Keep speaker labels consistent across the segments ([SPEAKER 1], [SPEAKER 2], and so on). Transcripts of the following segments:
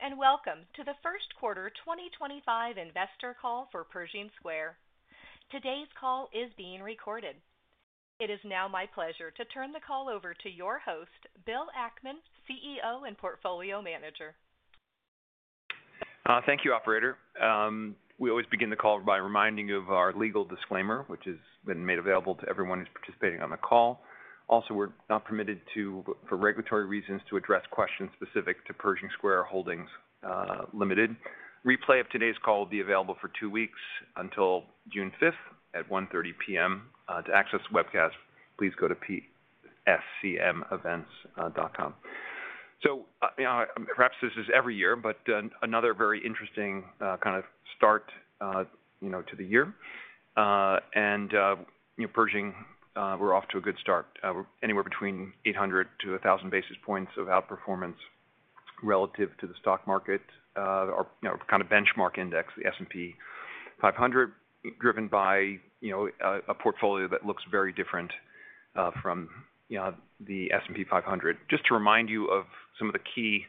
[SPEAKER 1] Hello, and welcome to the first quarter 2025 investor call for Pershing Square Holdings. Today's call is being recorded. It is now my pleasure to turn the call over to your host, Bill Ackman, CEO and portfolio manager.
[SPEAKER 2] Thank you, Operator. We always begin the call by reminding you of our legal disclaimer, which has been made available to everyone who's participating on the call. Also, we're not permitted to, for regulatory reasons, address questions specific to Pershing Square Holdings Limited. Replay of today's call will be available for two weeks until June 5 at 1:30 P.M. To access the webcast, please go to pscmevents.com. Perhaps this is every year, but another very interesting kind of start to the year. And Pershing, we're off to a good start. We're anywhere between 800-1,000 basis points of outperformance relative to the stock market, our kind of benchmark index, the S&P 500, driven by a portfolio that looks very different from the S&P 500. Just to remind you of some of the key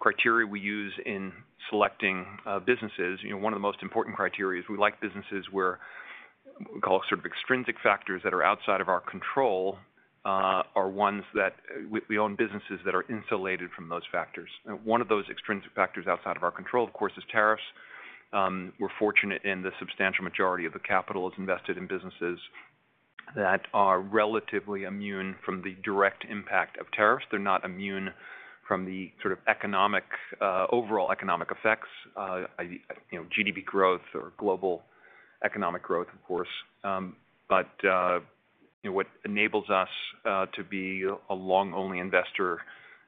[SPEAKER 2] criteria we use in selecting businesses, one of the most important criteria is we like businesses where we call sort of extrinsic factors that are outside of our control are ones that we own businesses that are insulated from those factors. One of those extrinsic factors outside of our control, of course, is tariffs. We're fortunate in the substantial majority of the capital is invested in businesses that are relatively immune from the direct impact of tariffs. They're not immune from the sort of overall economic effects, GDP growth or global economic growth, of course. What enables us to be a long-only investor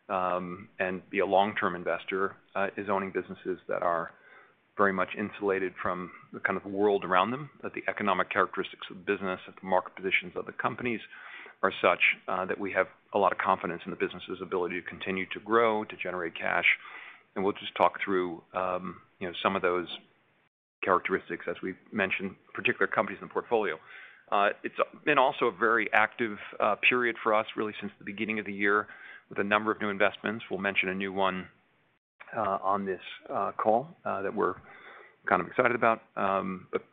[SPEAKER 2] and be a long-term investor is owning businesses that are very much insulated from the kind of world around them, that the economic characteristics of the business, that the market positions of the companies are such that we have a lot of confidence in the business's ability to continue to grow, to generate cash. We will just talk through some of those characteristics as we mention particular companies in the portfolio. It has been also a very active period for us, really, since the beginning of the year with a number of new investments. We will mention a new one on this call that we are kind of excited about.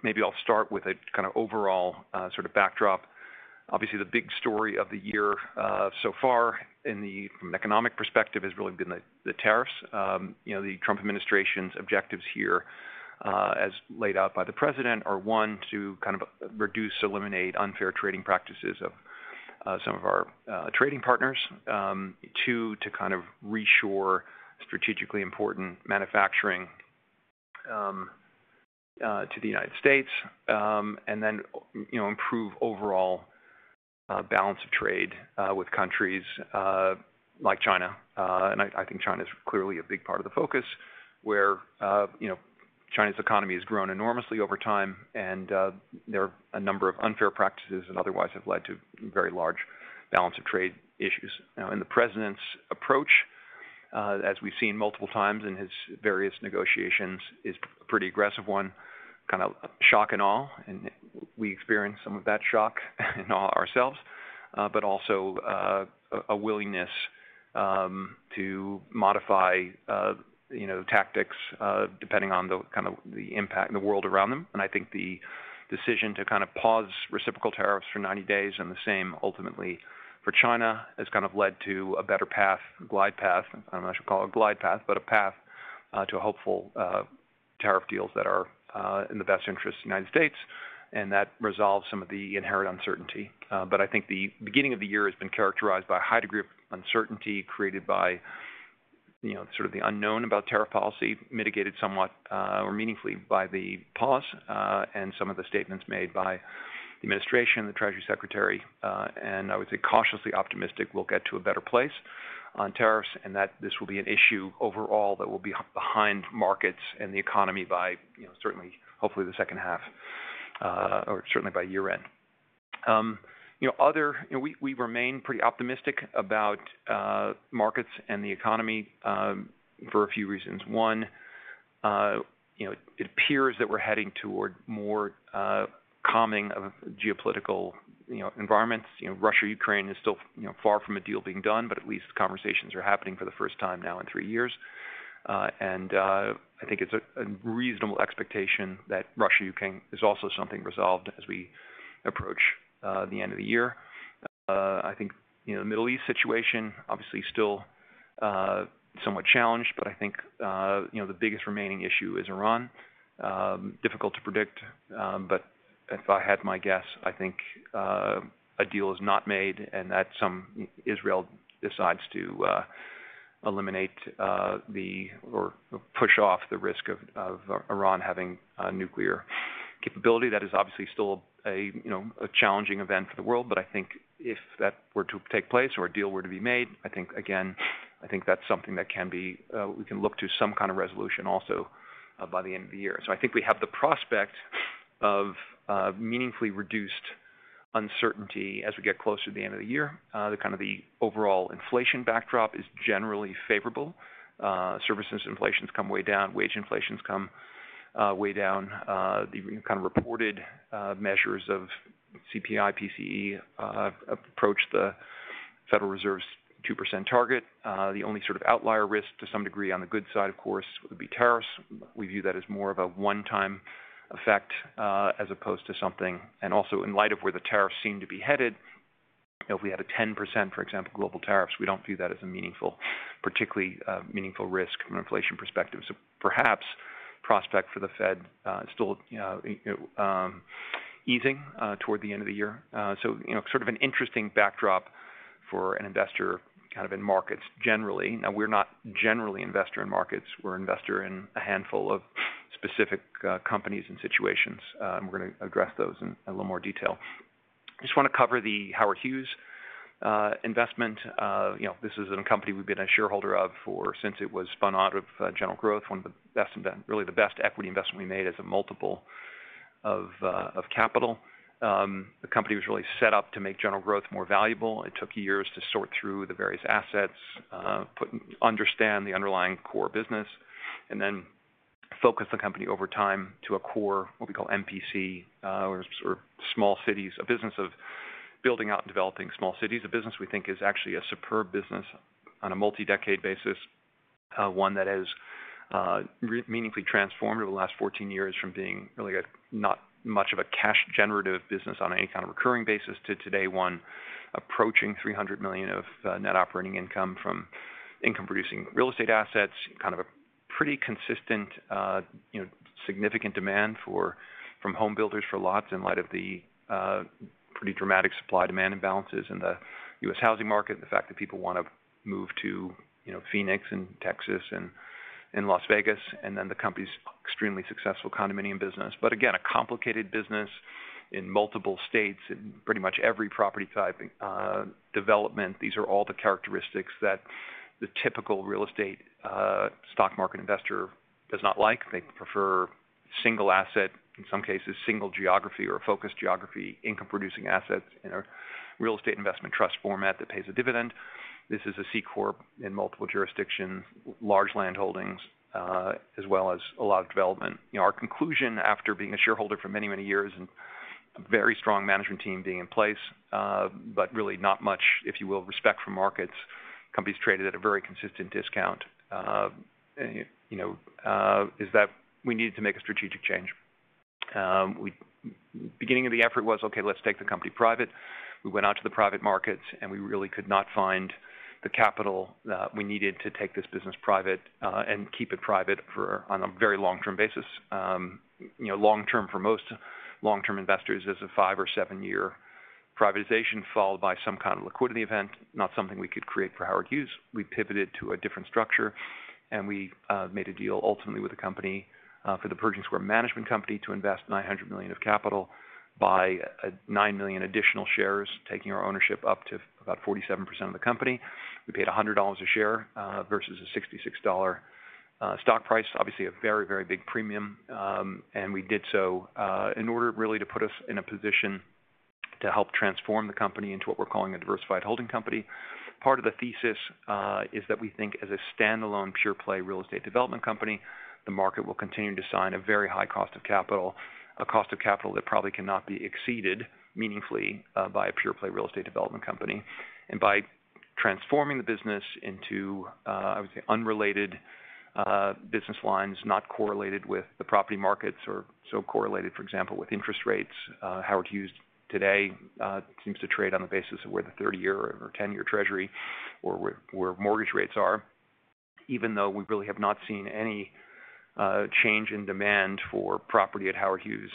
[SPEAKER 2] Maybe I will start with a kind of overall sort of backdrop. Obviously, the big story of the year so far from an economic perspective has really been the tariffs. The Trump administration's objectives here, as laid out by the president, are one, to kind of reduce, eliminate unfair trading practices of some of our trading partners; two, to kind of reshore strategically important manufacturing to the United States; and then improve overall balance of trade with countries like China. I think China is clearly a big part of the focus where China's economy has grown enormously over time. There are a number of unfair practices that otherwise have led to very large balance of trade issues. Now, in the president's approach, as we've seen multiple times in his various negotiations, is a pretty aggressive one, kind of shock and awe. We experience some of that shock and awe ourselves, but also a willingness to modify tactics depending on the kind of impact in the world around them. I think the decision to kind of pause reciprocal tariffs for 90 days and the same ultimately for China has kind of led to a better path, a glide path. I do not know if I should call it a glide path, but a path to hopeful tariff deals that are in the best interests of the United States. That resolves some of the inherent uncertainty. I think the beginning of the year has been characterized by a high degree of uncertainty created by sort of the unknown about tariff policy, mitigated somewhat or meaningfully by the pause and some of the statements made by the administration, the Treasury Secretary. I would say cautiously optimistic we'll get to a better place on tariffs and that this will be an issue overall that will be behind markets and the economy by certainly, hopefully, the second half or certainly by year-end. We remain pretty optimistic about markets and the economy for a few reasons. One, it appears that we're heading toward more calming of geopolitical environments. Russia-Ukraine is still far from a deal being done, but at least conversations are happening for the first time now in three years. I think it's a reasonable expectation that Russia-Ukraine is also something resolved as we approach the end of the year. I think the Middle East situation, obviously, still somewhat challenged, but I think the biggest remaining issue is Iran. Difficult to predict, but if I had my guess, I think a deal is not made and that some Israel decides to eliminate or push off the risk of Iran having nuclear capability. That is obviously still a challenging event for the world. I think if that were to take place or a deal were to be made, I think, again, I think that's something that we can look to some kind of resolution also by the end of the year. I think we have the prospect of meaningfully reduced uncertainty as we get closer to the end of the year. Kind of the overall inflation backdrop is generally favorable. Services inflations come way down, wage inflations come way down. The kind of reported measures of CPI, PCE approach the Federal Reserve's 2% target. The only sort of outlier risk to some degree on the good side, of course, would be tariffs. We view that as more of a one-time effect as opposed to something. Also, in light of where the tariffs seem to be headed, if we had a 10%, for example, global tariffs, we do not view that as a particularly meaningful risk from an inflation perspective. Perhaps prospect for the Fed still easing toward the end of the year. Sort of an interesting backdrop for an investor kind of in markets generally. Now, we are not generally investor in markets. We are an investor in a handful of specific companies and situations. We are going to address those in a little more detail. I just want to cover the Howard Hughes investment. This is a company we've been a shareholder of since it was spun out of General Growth, one of the best, really the best equity investment we made as a multiple of capital. The company was really set up to make General Growth more valuable. It took years to sort through the various assets, understand the underlying core business, and then focus the company over time to a core, what we call MPC, or small cities, a business of building out and developing small cities, a business we think is actually a superb business on a multi-decade basis, one that has meaningfully transformed over the last 14 years from being really not much of a cash-generative business on any kind of recurring basis to today, one approaching $300 million of net operating income from income-producing real estate assets, kind of a pretty consistent, significant demand from homebuilders for lots in light of the pretty dramatic supply-demand imbalances in the U.S. housing market, the fact that people want to move to Phoenix and Texas and Las Vegas, and then the company's extremely successful condominium business. Again, a complicated business in multiple states in pretty much every property type development. These are all the characteristics that the typical real estate stock market investor does not like. They prefer single asset, in some cases, single geography or focused geography, income-producing assets in a real estate investment trust format that pays a dividend. This is a C Corp in multiple jurisdictions, large land holdings, as well as a lot of development. Our conclusion after being a shareholder for many, many years and a very strong management team being in place, but really not much, if you will, respect from markets, companies traded at a very consistent discount, is that we needed to make a strategic change. The beginning of the effort was, okay, let's take the company private. We went out to the private markets, and we really could not find the capital that we needed to take this business private and keep it private on a very long-term basis. Long-term for most long-term investors is a five or seven-year privatization followed by some kind of liquidity event, not something we could create for Howard Hughes. We pivoted to a different structure, and we made a deal ultimately with the company for the Pershing Square Management Company to invest $900 million of capital, buy 9 million additional shares, taking our ownership up to about 47% of the company. We paid $100 a share versus a $66 stock price, obviously a very, very big premium. We did so in order really to put us in a position to help transform the company into what we're calling a diversified holding company. Part of the thesis is that we think as a standalone pure-play real estate development company, the market will continue to assign a very high cost of capital, a cost of capital that probably cannot be exceeded meaningfully by a pure-play real estate development company. By transforming the business into, I would say, unrelated business lines, not correlated with the property markets or so correlated, for example, with interest rates, Howard Hughes today seems to trade on the basis of where the 30-year or 10-year Treasury or where mortgage rates are, even though we really have not seen any change in demand for property at Howard Hughes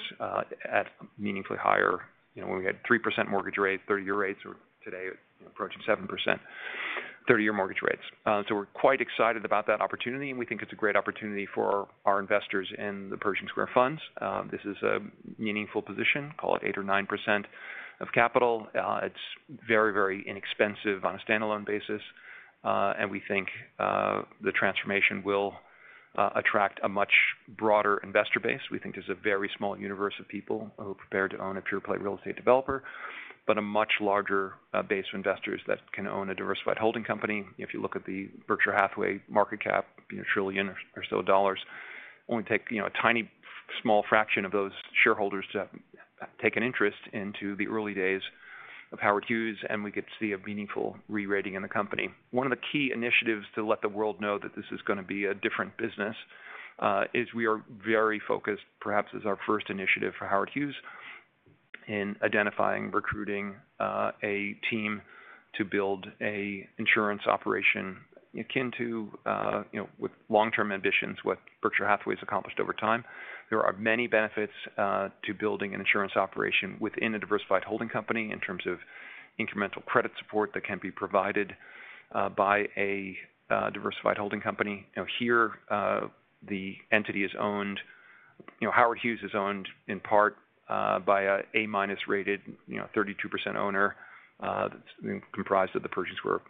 [SPEAKER 2] at meaningfully higher. When we had 3% mortgage rates, 30-year rates are today approaching 7%, 30-year mortgage rates. We are quite excited about that opportunity, and we think it is a great opportunity for our investors in the Pershing Square Funds. This is a meaningful position, call it 8% or 9% of capital. It's very, very inexpensive on a standalone basis. We think the transformation will attract a much broader investor base. We think there's a very small universe of people who are prepared to own a pure-play real estate developer, but a much larger base of investors that can own a diversified holding company. If you look at the Berkshire Hathaway market cap, $1 trillion or so, only take a tiny small fraction of those shareholders to take an interest into the early days of Howard Hughes, and we could see a meaningful re-rating in the company. One of the key initiatives to let the world know that this is going to be a different business is we are very focused, perhaps as our first initiative for Howard Hughes, in identifying, recruiting a team to build an insurance operation akin to, with long-term ambitions, what Berkshire Hathaway has accomplished over time. There are many benefits to building an insurance operation within a diversified holding company in terms of incremental credit support that can be provided by a diversified holding company. Here, the entity is owned, Howard Hughes is owned in part by an A-rated 32% owner comprised of the Pershing Square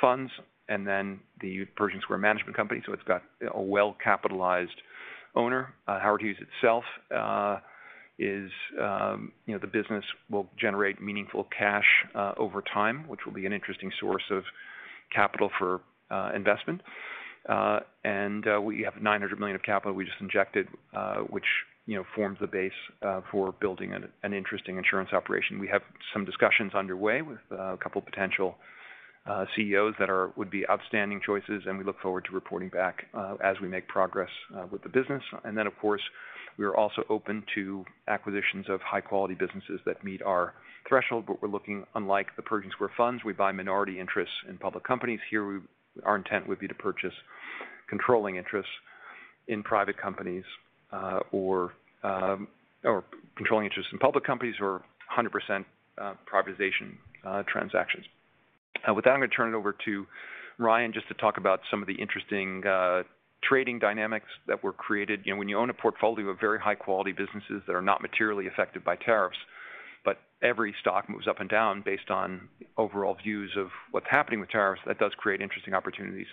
[SPEAKER 2] Funds and then the Pershing Square Management Company. So it has got a well-capitalized owner. Howard Hughes itself is the business will generate meaningful cash over time, which will be an interesting source of capital for investment. We have $900 million of capital we just injected, which forms the base for building an interesting insurance operation. We have some discussions underway with a couple of potential CEOs that would be outstanding choices, and we look forward to reporting back as we make progress with the business. Of course, we are also open to acquisitions of high-quality businesses that meet our threshold, but we're looking, unlike the Pershing Square Funds, we buy minority interests in public companies. Here, our intent would be to purchase controlling interests in private companies or controlling interests in public companies or 100% privatization transactions. With that, I'm going to turn it over to Ryan just to talk about some of the interesting trading dynamics that were created. When you own a portfolio of very high-quality businesses that are not materially affected by tariffs, but every stock moves up and down based on overall views of what's happening with tariffs, that does create interesting opportunities.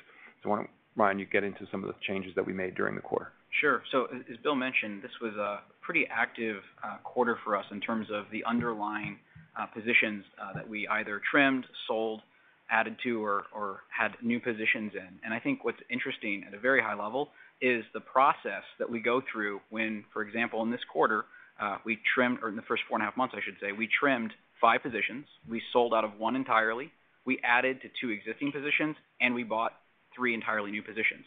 [SPEAKER 2] I want to, Ryan, you get into some of the changes that we made during the quarter.
[SPEAKER 3] Sure. As Bill mentioned, this was a pretty active quarter for us in terms of the underlying positions that we either trimmed, sold, added to, or had new positions in. I think what is interesting at a very high level is the process that we go through when, for example, in this quarter, we trimmed, or in the first four and a half months, I should say, we trimmed five positions. We sold out of one entirely. We added to two existing positions, and we bought three entirely new positions.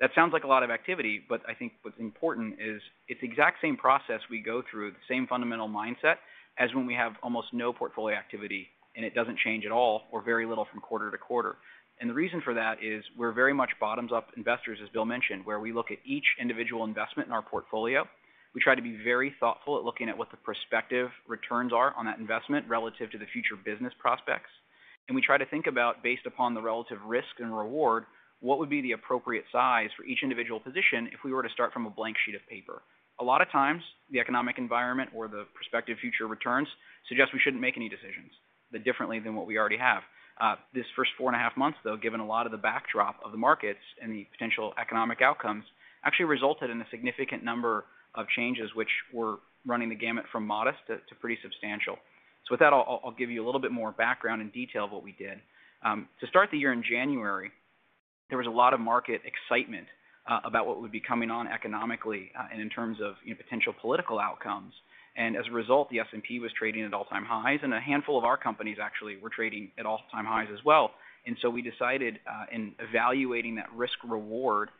[SPEAKER 3] That sounds like a lot of activity, but I think what is important is it is the exact same process we go through, the same fundamental mindset as when we have almost no portfolio activity, and it does not change at all or very little from quarter to quarter. The reason for that is we're very much bottoms-up investors, as Bill mentioned, where we look at each individual investment in our portfolio. We try to be very thoughtful at looking at what the prospective returns are on that investment relative to the future business prospects. We try to think about, based upon the relative risk and reward, what would be the appropriate size for each individual position if we were to start from a blank sheet of paper. A lot of times, the economic environment or the prospective future returns suggest we shouldn't make any decisions differently than what we already have. This first four and a half months, though, given a lot of the backdrop of the markets and the potential economic outcomes, actually resulted in a significant number of changes, which were running the gamut from modest to pretty substantial. With that, I'll give you a little bit more background and detail of what we did. To start the year in January, there was a lot of market excitement about what would be coming on economically and in terms of potential political outcomes. As a result, the S&P 500 was trading at all-time highs, and a handful of our companies actually were trading at all-time highs as well. We decided, in evaluating that risk-reward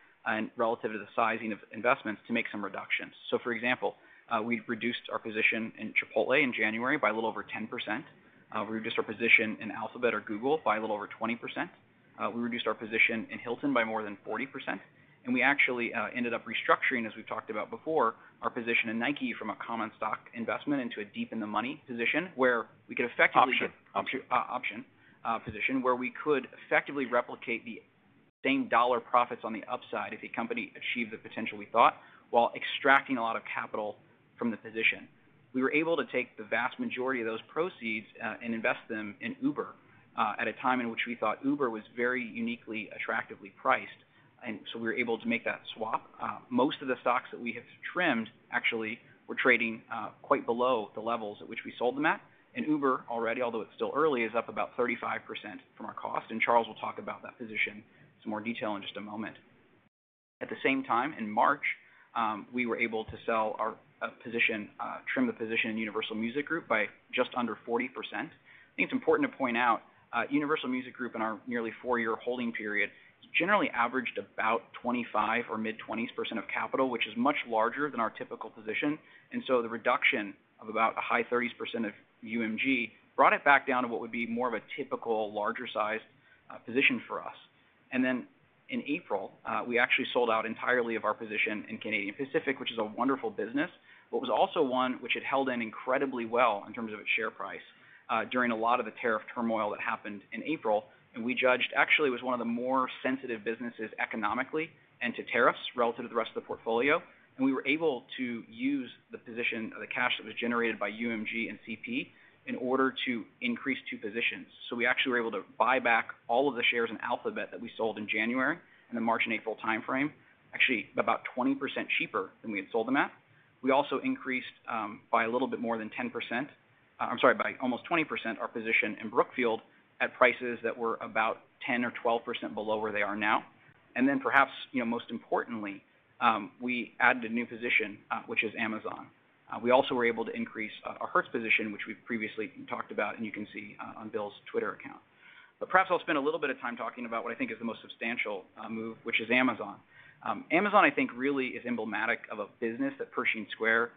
[SPEAKER 3] relative to the sizing of investments, to make some reductions. For example, we reduced our position in Chipotle in January by a little over 10%. We reduced our position in Alphabet or Google by a little over 20%. We reduced our position in Hilton by more than 40%. We actually ended up restructuring, as we've talked about before, our position in Nike from a common stock investment into a deep-in-the-money position where we could effectively.
[SPEAKER 2] Option.
[SPEAKER 3] Option position where we could effectively replicate the same dollar profits on the upside if a company achieved the potential we thought while extracting a lot of capital from the position. We were able to take the vast majority of those proceeds and invest them in Uber at a time in which we thought Uber was very uniquely attractively priced. We were able to make that swap. Most of the stocks that we have trimmed actually were trading quite below the levels at which we sold them at. Uber already, although it is still early, is up about 35% from our cost. Charles will talk about that position in some more detail in just a moment. At the same time, in March, we were able to sell our position, trim the position in Universal Music Group by just under 40%. I think it's important to point out Universal Music Group in our nearly four-year holding period generally averaged about 25% or mid-20% of capital, which is much larger than our typical position. The reduction of about a high 30% of UMG brought it back down to what would be more of a typical larger-sized position for us. In April, we actually sold out entirely of our position in Canadian Pacific, which is a wonderful business, but was also one which had held in incredibly well in terms of its share price during a lot of the tariff turmoil that happened in April. We judged actually it was one of the more sensitive businesses economically and to tariffs relative to the rest of the portfolio. We were able to use the position of the cash that was generated by UMG and CP in order to increase two positions. We actually were able to buy back all of the shares in Alphabet that we sold in January in the March and April timeframe, actually about 20% cheaper than we had sold them at. We also increased by a little bit more than 10%. I'm sorry, by almost 20% our position in Brookfield at prices that were about 10% or 12% below where they are now. Perhaps most importantly, we added a new position, which is Amazon. We also were able to increase our Hertz position, which we've previously talked about, and you can see on Bill's Twitter account. Perhaps I'll spend a little bit of time talking about what I think is the most substantial move, which is Amazon. Amazon, I think, really is emblematic of a business that Pershing Square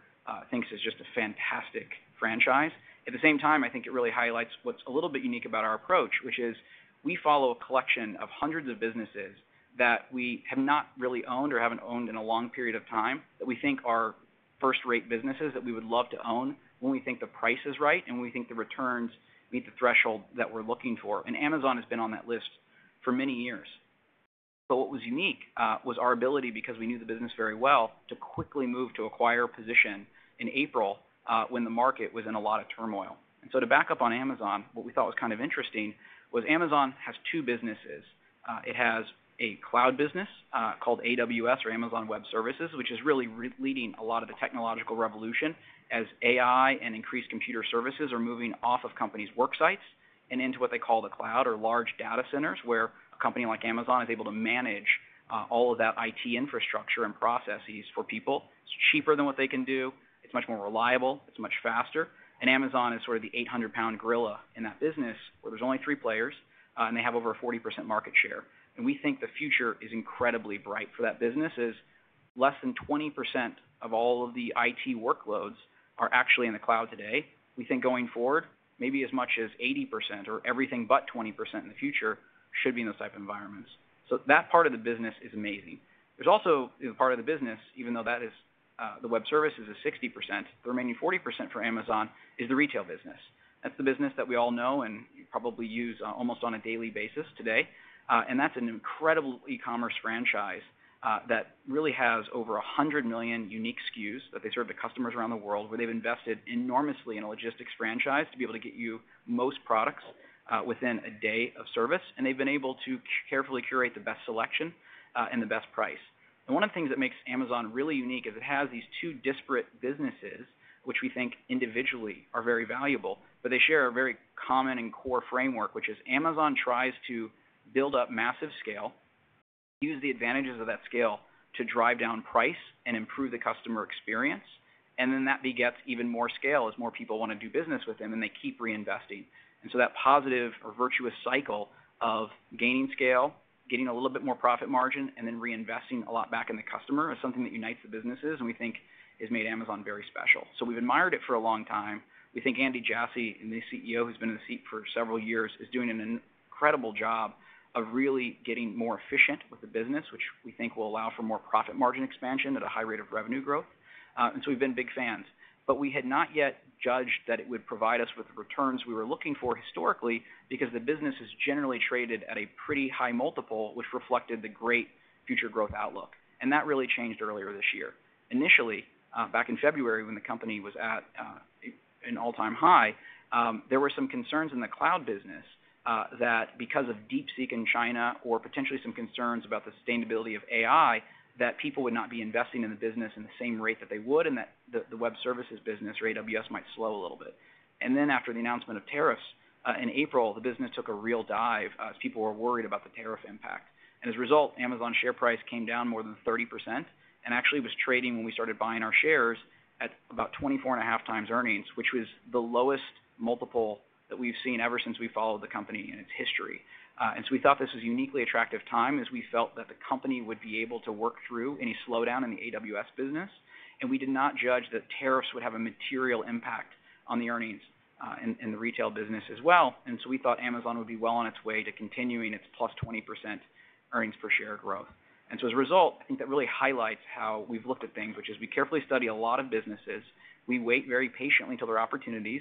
[SPEAKER 3] thinks is just a fantastic franchise. At the same time, I think it really highlights what's a little bit unique about our approach, which is we follow a collection of hundreds of businesses that we have not really owned or haven't owned in a long period of time that we think are first-rate businesses that we would love to own when we think the price is right and when we think the returns meet the threshold that we're looking for. Amazon has been on that list for many years. What was unique was our ability, because we knew the business very well, to quickly move to acquire a position in April when the market was in a lot of turmoil. To back up on Amazon, what we thought was kind of interesting was Amazon has two businesses. It has a cloud business called AWS or Amazon Web Services, which is really leading a lot of the technological revolution as AI and increased computer services are moving off of companies' work sites and into what they call the cloud or large data centers where a company like Amazon is able to manage all of that IT infrastructure and processes for people. It is cheaper than what they can do. It is much more reliable. It is much faster. Amazon is sort of the 800-pound gorilla in that business where there are only three players, and they have over a 40% market share. We think the future is incredibly bright for that business as less than 20% of all of the IT workloads are actually in the cloud today. We think going forward, maybe as much as 80% or everything but 20% in the future should be in those type of environments. That part of the business is amazing. There's also part of the business, even though that is the web services is 60%, the remaining 40% for Amazon is the retail business. That's the business that we all know and probably use almost on a daily basis today. That's an incredible e-commerce franchise that really has over 100 million unique SKUs that they serve to customers around the world where they've invested enormously in a logistics franchise to be able to get you most products within a day of service. They've been able to carefully curate the best selection and the best price. One of the things that makes Amazon really unique is it has these two disparate businesses, which we think individually are very valuable, but they share a very common and core framework, which is Amazon tries to build up massive scale, use the advantages of that scale to drive down price and improve the customer experience. That begets even more scale as more people want to do business with them, and they keep reinvesting. That positive or virtuous cycle of gaining scale, getting a little bit more profit margin, and then reinvesting a lot back in the customer is something that unites the businesses and we think has made Amazon very special. We have admired it for a long time. We think Andy Jassy, the CEO who has been in the seat for several years, is doing an incredible job of really getting more efficient with the business, which we think will allow for more profit margin expansion at a high rate of revenue growth. We have been big fans. We had not yet judged that it would provide us with the returns we were looking for historically because the business has generally traded at a pretty high multiple, which reflected the great future growth outlook. That really changed earlier this year. Initially, back in February when the company was at an all-time high, there were some concerns in the cloud business that because of deep seek in China or potentially some concerns about the sustainability of AI, that people would not be investing in the business in the same rate that they would and that the web services business or AWS might slow a little bit. After the announcement of tariffs in April, the business took a real dive as people were worried about the tariff impact. As a result, Amazon share price came down more than 30% and actually was trading when we started buying our shares at about 24.5 times earnings, which was the lowest multiple that we've seen ever since we followed the company in its history. We thought this was a uniquely attractive time as we felt that the company would be able to work through any slowdown in the AWS business. We did not judge that tariffs would have a material impact on the earnings in the retail business as well. We thought Amazon would be well on its way to continuing its plus 20% earnings per share growth. As a result, I think that really highlights how we've looked at things, which is we carefully study a lot of businesses. We wait very patiently until there are opportunities.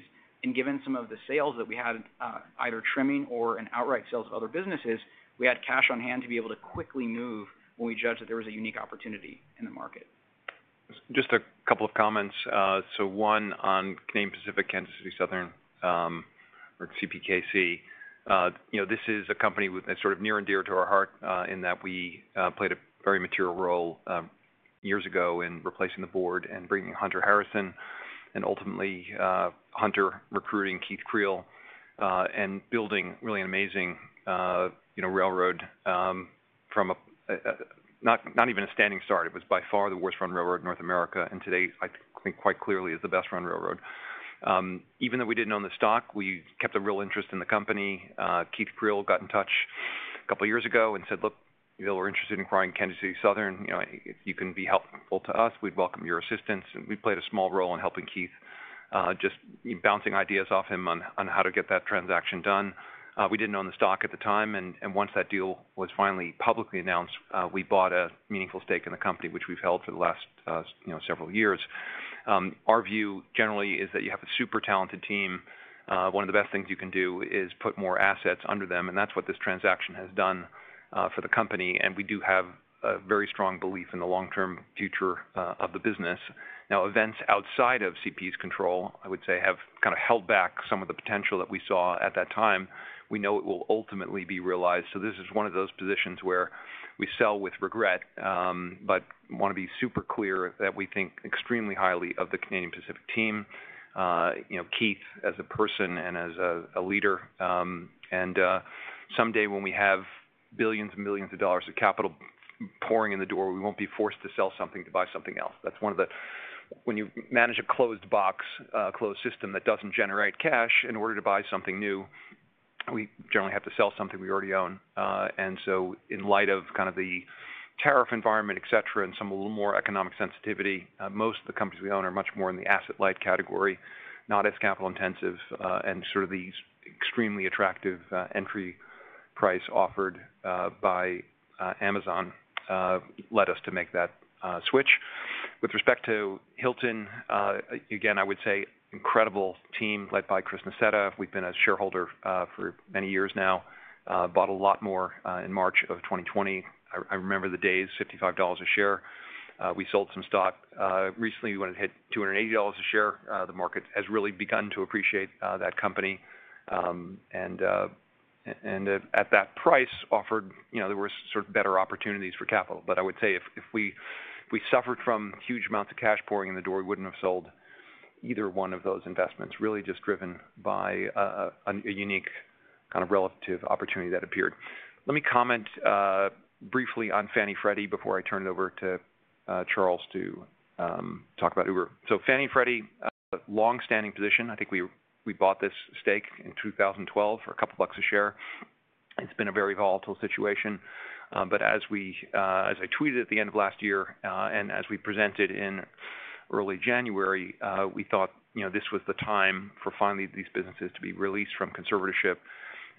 [SPEAKER 3] Given some of the sales that we had, either trimming or outright sales of other businesses, we had cash on hand to be able to quickly move when we judged that there was a unique opportunity in the market.
[SPEAKER 2] Just a couple of comments. One on Canadian Pacific Kansas City, or CPKC. This is a company that's sort of near and dear to our heart in that we played a very material role years ago in replacing the board and bringing Hunter Harrison and ultimately Hunter recruiting Keith Creel and building really an amazing railroad from not even a standing start. It was by far the worst-run railroad in North America and today, I think quite clearly is the best-run railroad. Even though we did not own the stock, we kept a real interest in the company. Keith Creel got in touch a couple of years ago and said, "Look, if you're interested in acquiring Kansas City Southern, you can be helpful to us. We'd welcome your assistance. We played a small role in helping Keith, just bouncing ideas off him on how to get that transaction done. We did not own the stock at the time. Once that deal was finally publicly announced, we bought a meaningful stake in the company, which we've held for the last several years. Our view generally is that if you have a super talented team, one of the best things you can do is put more assets under them. That is what this transaction has done for the company. We do have a very strong belief in the long-term future of the business. Now, events outside of CP's control, I would say, have kind of held back some of the potential that we saw at that time. We know it will ultimately be realized. This is one of those positions where we sell with regret, but want to be super clear that we think extremely highly of the Canadian Pacific team, Keith as a person and as a leader. Someday when we have billions and millions of dollars of capital pouring in the door, we will not be forced to sell something to buy something else. That is one of the, when you manage a closed box, a closed system that does not generate cash in order to buy something new, we generally have to sell something we already own. In light of kind of the tariff environment, etc., and some a little more economic sensitivity, most of the companies we own are much more in the asset-light category, not as capital-intensive. The extremely attractive entry price offered by Amazon led us to make that switch. With respect to Hilton, again, I would say incredible team led by Chris Nassetta. We've been a shareholder for many years now, bought a lot more in March of 2020. I remember the days, $55 a share. We sold some stock. Recently, we went and hit $280 a share. The market has really begun to appreciate that company. At that price offered, there were sort of better opportunities for capital. I would say if we suffered from huge amounts of cash pouring in the door, we wouldn't have sold either one of those investments, really just driven by a unique kind of relative opportunity that appeared. Let me comment briefly on Fannie Freddie before I turn it over to Charles to talk about Uber. Fannie Freddie, long-standing position. I think we bought this stake in 2012 for a couple of bucks a share. It's been a very volatile situation. As I tweeted at the end of last year and as we presented in early January, we thought this was the time for finally these businesses to be released from conservatorship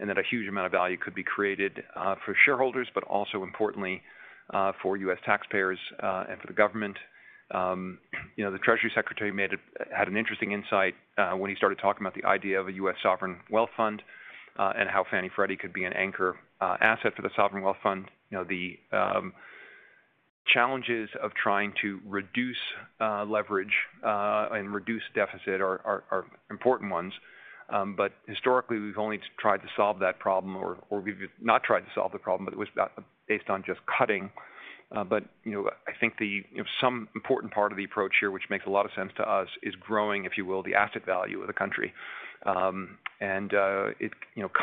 [SPEAKER 2] and that a huge amount of value could be created for shareholders, but also importantly for U.S. taxpayers and for the government. The Treasury Secretary had an interesting insight when he started talking about the idea of a U.S. sovereign wealth fund and how Fannie and Freddie could be an anchor asset for the sovereign wealth fund. The challenges of trying to reduce leverage and reduce deficit are important ones. Historically, we've only tried to solve that problem or we've not tried to solve the problem, but it was based on just cutting. I think some important part of the approach here, which makes a lot of sense to us, is growing, if you will, the asset value of the country.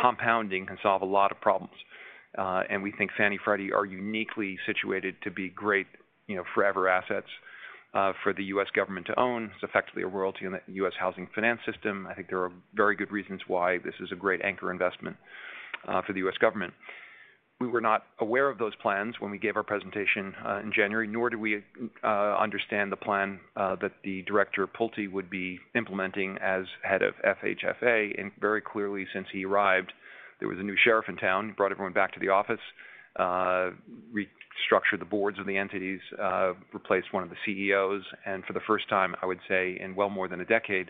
[SPEAKER 2] Compounding can solve a lot of problems. We think Fannie and Freddie are uniquely situated to be great forever assets for the U.S. government to own. It's effectively a royalty in the U.S. housing finance system. I think there are very good reasons why this is a great anchor investment for the U.S. government. We were not aware of those plans when we gave our presentation in January, nor did we understand the plan that Director Pulte would be implementing as head of FHFA. Very clearly, since he arrived, there was a new sheriff in town. He brought everyone back to the office, restructured the boards of the entities, replaced one of the CEOs. For the first time, I would say in well more than a decade,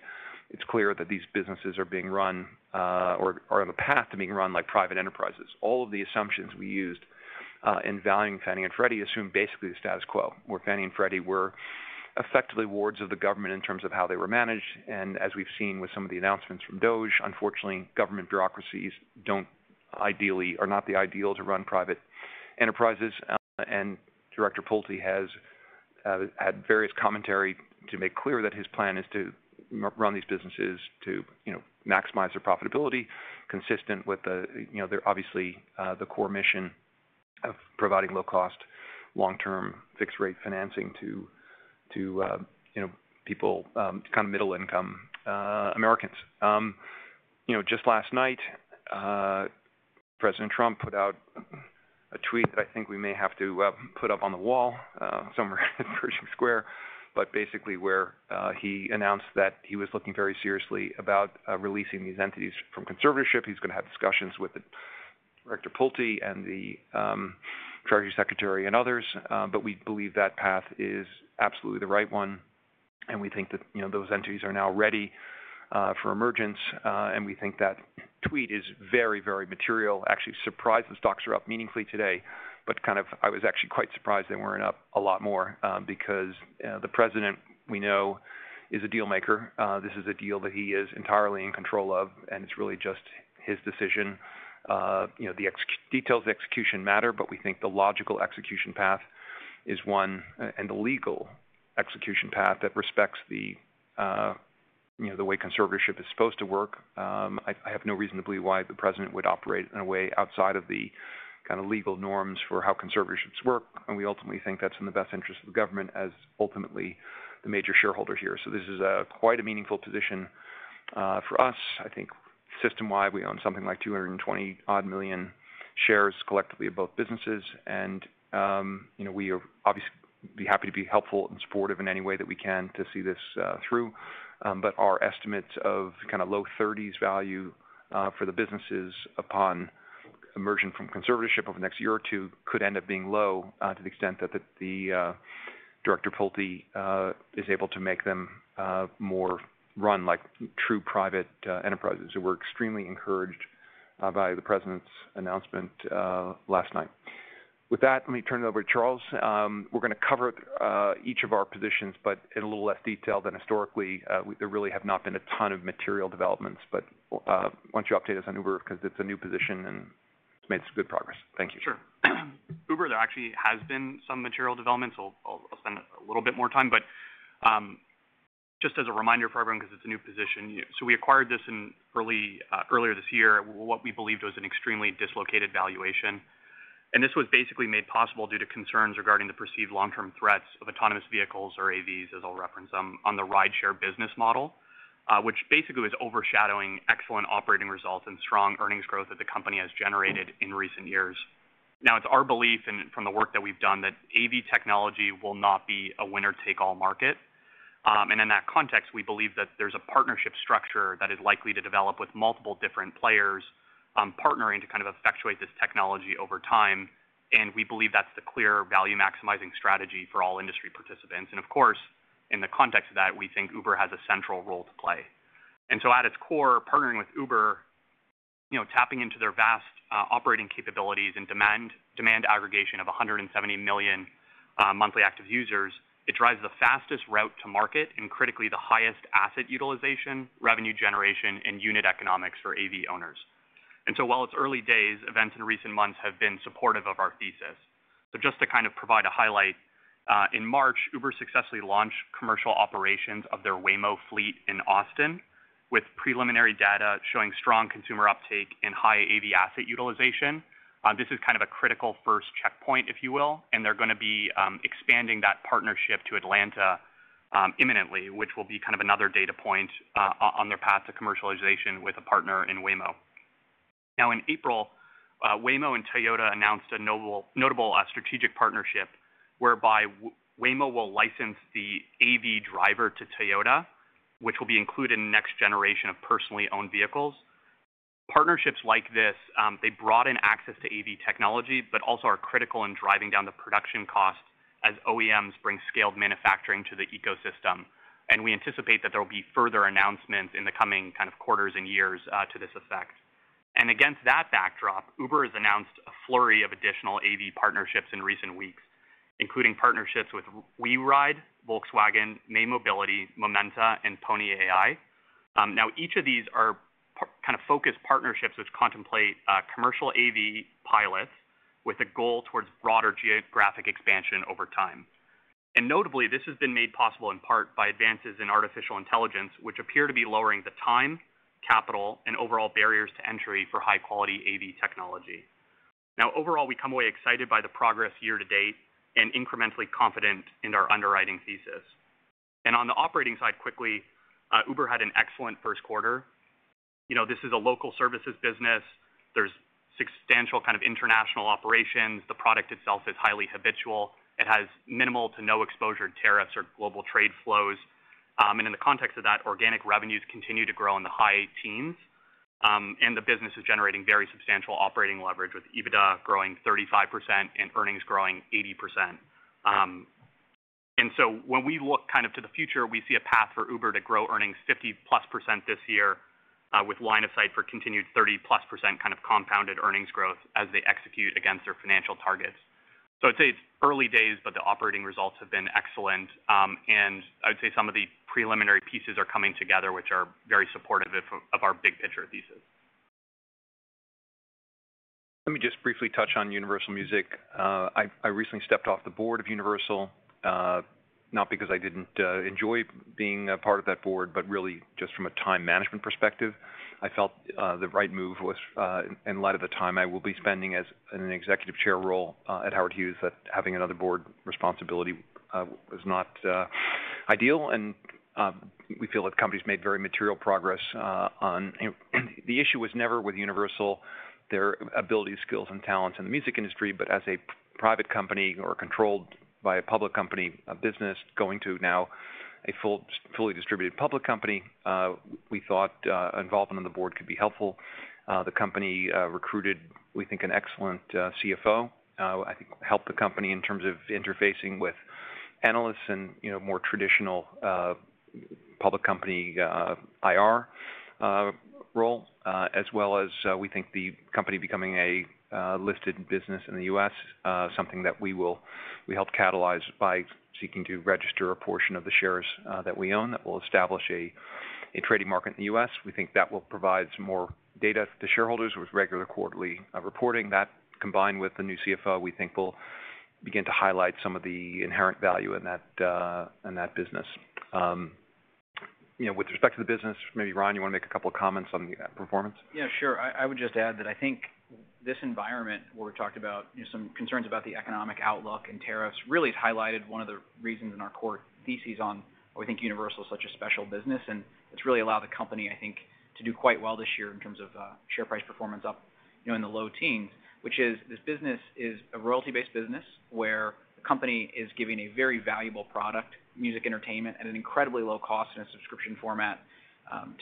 [SPEAKER 2] it is clear that these businesses are being run or are on the path to being run like private enterprises. All of the assumptions we used in valuing Fannie and Freddie assumed basically the status quo where Fannie and Freddie were effectively wards of the government in terms of how they were managed. As we have seen with some of the announcements from FHFA, unfortunately, government bureaucracies are not the ideal to run private enterprises. Director Thompson has had various commentary to make clear that her plan is to run these businesses to maximize their profitability, consistent with obviously the core mission of providing low-cost, long-term fixed-rate financing to people, kind of middle-income Americans. Just last night, President Trump put out a tweet that I think we may have to put up on the wall somewhere at Pershing Square, but basically where he announced that he was looking very seriously about releasing these entities from conservatorship. He is going to have discussions with Director Pulte and the Treasury Secretary and others. We believe that path is absolutely the right one. We think that those entities are now ready for emergence. We think that tweet is very, very material. Actually, I am surprised the stocks are up meaningfully today, but kind of I was actually quite surprised they were not up a lot more because the president, we know, is a dealmaker. This is a deal that he is entirely in control of, and it is really just his decision. The details of execution matter, but we think the logical execution path is one and the legal execution path that respects the way conservatorship is supposed to work. I have no reason to believe why the president would operate in a way outside of the kind of legal norms for how conservatorships work. I ultimately think that is in the best interest of the government as ultimately the major shareholder here. This is quite a meaningful position for us. I think system-wide, we own something like 220-odd million shares collectively of both businesses. We would be happy to be helpful and supportive in any way that we can to see this through. Our estimates of kind of low 30s value for the businesses upon emerging from conservatorship over the next year or two could end up being low to the extent that Director Pulte is able to make them more run like true private enterprises. We're extremely encouraged by the president's announcement last night. With that, let me turn it over to Charles. We're going to cover each of our positions, but in a little less detail than historically. There really have not been a ton of material developments. Why don't you update us on Uber because it's a new position and it's made some good progress. Thank you.
[SPEAKER 4] Sure. Uber, there actually has been some material development. I'll spend a little bit more time. Just as a reminder for everyone, because it's a new position, we acquired this earlier this year at what we believed was an extremely dislocated valuation. This was basically made possible due to concerns regarding the perceived long-term threats of autonomous vehicles, or AVs, as I'll reference them, on the rideshare business model, which basically was overshadowing excellent operating results and strong earnings growth that the company has generated in recent years. Now, it's our belief and from the work that we've done that AV technology will not be a winner-take-all market. In that context, we believe that there's a partnership structure that is likely to develop with multiple different players partnering to kind of effectuate this technology over time. We believe that's the clear value maximizing strategy for all industry participants. Of course, in the context of that, we think Uber has a central role to play. At its core, partnering with Uber, tapping into their vast operating capabilities and demand aggregation of 170 million monthly active users, drives the fastest route to market and critically the highest asset utilization, revenue generation, and unit economics for AV owners. While it's early days, events in recent months have been supportive of our thesis. Just to kind of provide a highlight, in March, Uber successfully launched commercial operations of their Waymo fleet in Austin with preliminary data showing strong consumer uptake and high AV asset utilization. This is kind of a critical first checkpoint, if you will. They are going to be expanding that partnership to Atlanta imminently, which will be kind of another data point on their path to commercialization with a partner in Waymo. Now, in April, Waymo and Toyota announced a notable strategic partnership whereby Waymo will license the AV driver to Toyota, which will be included in the next generation of personally owned vehicles. Partnerships like this, they broaden access to AV technology, but also are critical in driving down the production costs as OEMs bring scaled manufacturing to the ecosystem. We anticipate that there will be further announcements in the coming kind of quarters and years to this effect. Against that backdrop, Uber has announced a flurry of additional AV partnerships in recent weeks, including partnerships with WeRide, Volkswagen, May Mobility, Memento, and Pony AI. Now, each of these are kind of focused partnerships which contemplate commercial AV pilots with a goal towards broader geographic expansion over time. Notably, this has been made possible in part by advances in artificial intelligence, which appear to be lowering the time, capital, and overall barriers to entry for high-quality AV technology. Overall, we come away excited by the progress year to date and incrementally confident in our underwriting thesis. On the operating side, quickly, Uber had an excellent first quarter. This is a local services business. There is substantial kind of international operations. The product itself is highly habitual. It has minimal to no exposure to tariffs or global trade flows. In the context of that, organic revenues continue to grow in the high teens. The business is generating very substantial operating leverage with EBITDA growing 35% and earnings growing 80%. When we look kind of to the future, we see a path for Uber to grow earnings 50+% this year with line of sight for continued 30+% kind of compounded earnings growth as they execute against their financial targets. I'd say it's early days, but the operating results have been excellent. I would say some of the preliminary pieces are coming together, which are very supportive of our big picture thesis.
[SPEAKER 2] Let me just briefly touch on Universal Music. I recently stepped off the board of Universal, not because I didn't enjoy being a part of that board, but really just from a time management perspective. I felt the right move was in light of the time I will be spending as an Executive Chair role at Howard Hughes that having another board responsibility was not ideal. We feel that the company's made very material progress on the issue was never with Universal, their abilities, skills, and talents in the music industry, but as a private company or controlled by a public company business going to now a fully distributed public company, we thought involvement on the board could be helpful. The company recruited, we think, an excellent CFO, I think helped the company in terms of interfacing with analysts and more traditional public company IR role, as well as we think the company becoming a listed business in the U.S., something that we helped catalyze by seeking to register a portion of the shares that we own that will establish a trading market in the U.S. We think that will provide some more data to shareholders with regular quarterly reporting. That combined with the new CFO, we think will begin to highlight some of the inherent value in that business. With respect to the business, maybe Ryan, you want to make a couple of comments on the performance?
[SPEAKER 3] Yeah, sure. I would just add that I think this environment where we talked about some concerns about the economic outlook and tariffs really has highlighted one of the reasons in our core thesis on why we think Universal is such a special business. It has really allowed the company, I think, to do quite well this year in terms of share price performance, up in the low teens, which is this business is a royalty-based business where the company is giving a very valuable product, music entertainment, at an incredibly low cost in a subscription format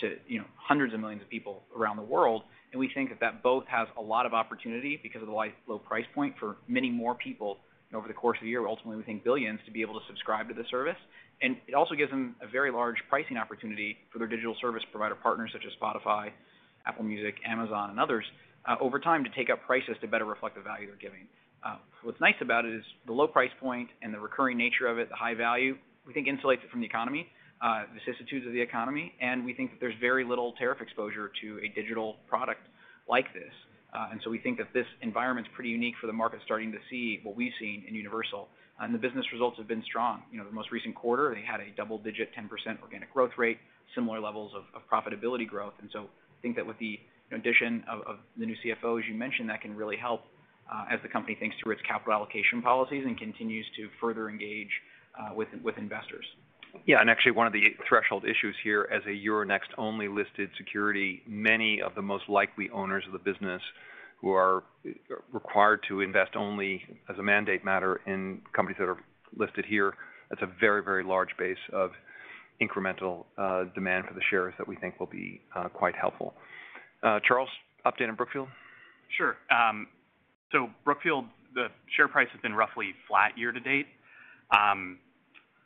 [SPEAKER 3] to hundreds of millions of people around the world. We think that that both has a lot of opportunity because of the low price point for many more people over the course of the year. Ultimately, we think billions to be able to subscribe to the service. It also gives them a very large pricing opportunity for their digital service provider partners such as Spotify, Apple Music, Amazon, and others over time to take up prices to better reflect the value they're giving. What's nice about it is the low price point and the recurring nature of it, the high value, we think insulates it from the economy, the vicissitudes of the economy. We think that there's very little tariff exposure to a digital product like this. We think that this environment's pretty unique for the market starting to see what we've seen in Universal. The business results have been strong. The most recent quarter, they had a double-digit 10% organic growth rate, similar levels of profitability growth. I think that with the addition of the new CFO, as you mentioned, that can really help as the company thinks through its capital allocation policies and continues to further engage with investors.
[SPEAKER 2] Yeah. Actually, one of the threshold issues here as a Euronext-only listed security, many of the most likely owners of the business who are required to invest only as a mandate matter in companies that are listed here, that's a very, very large base of incremental demand for the shares that we think will be quite helpful. Charles, update on Brookfield?
[SPEAKER 4] Sure. Brookfield, the share price has been roughly flat year to date.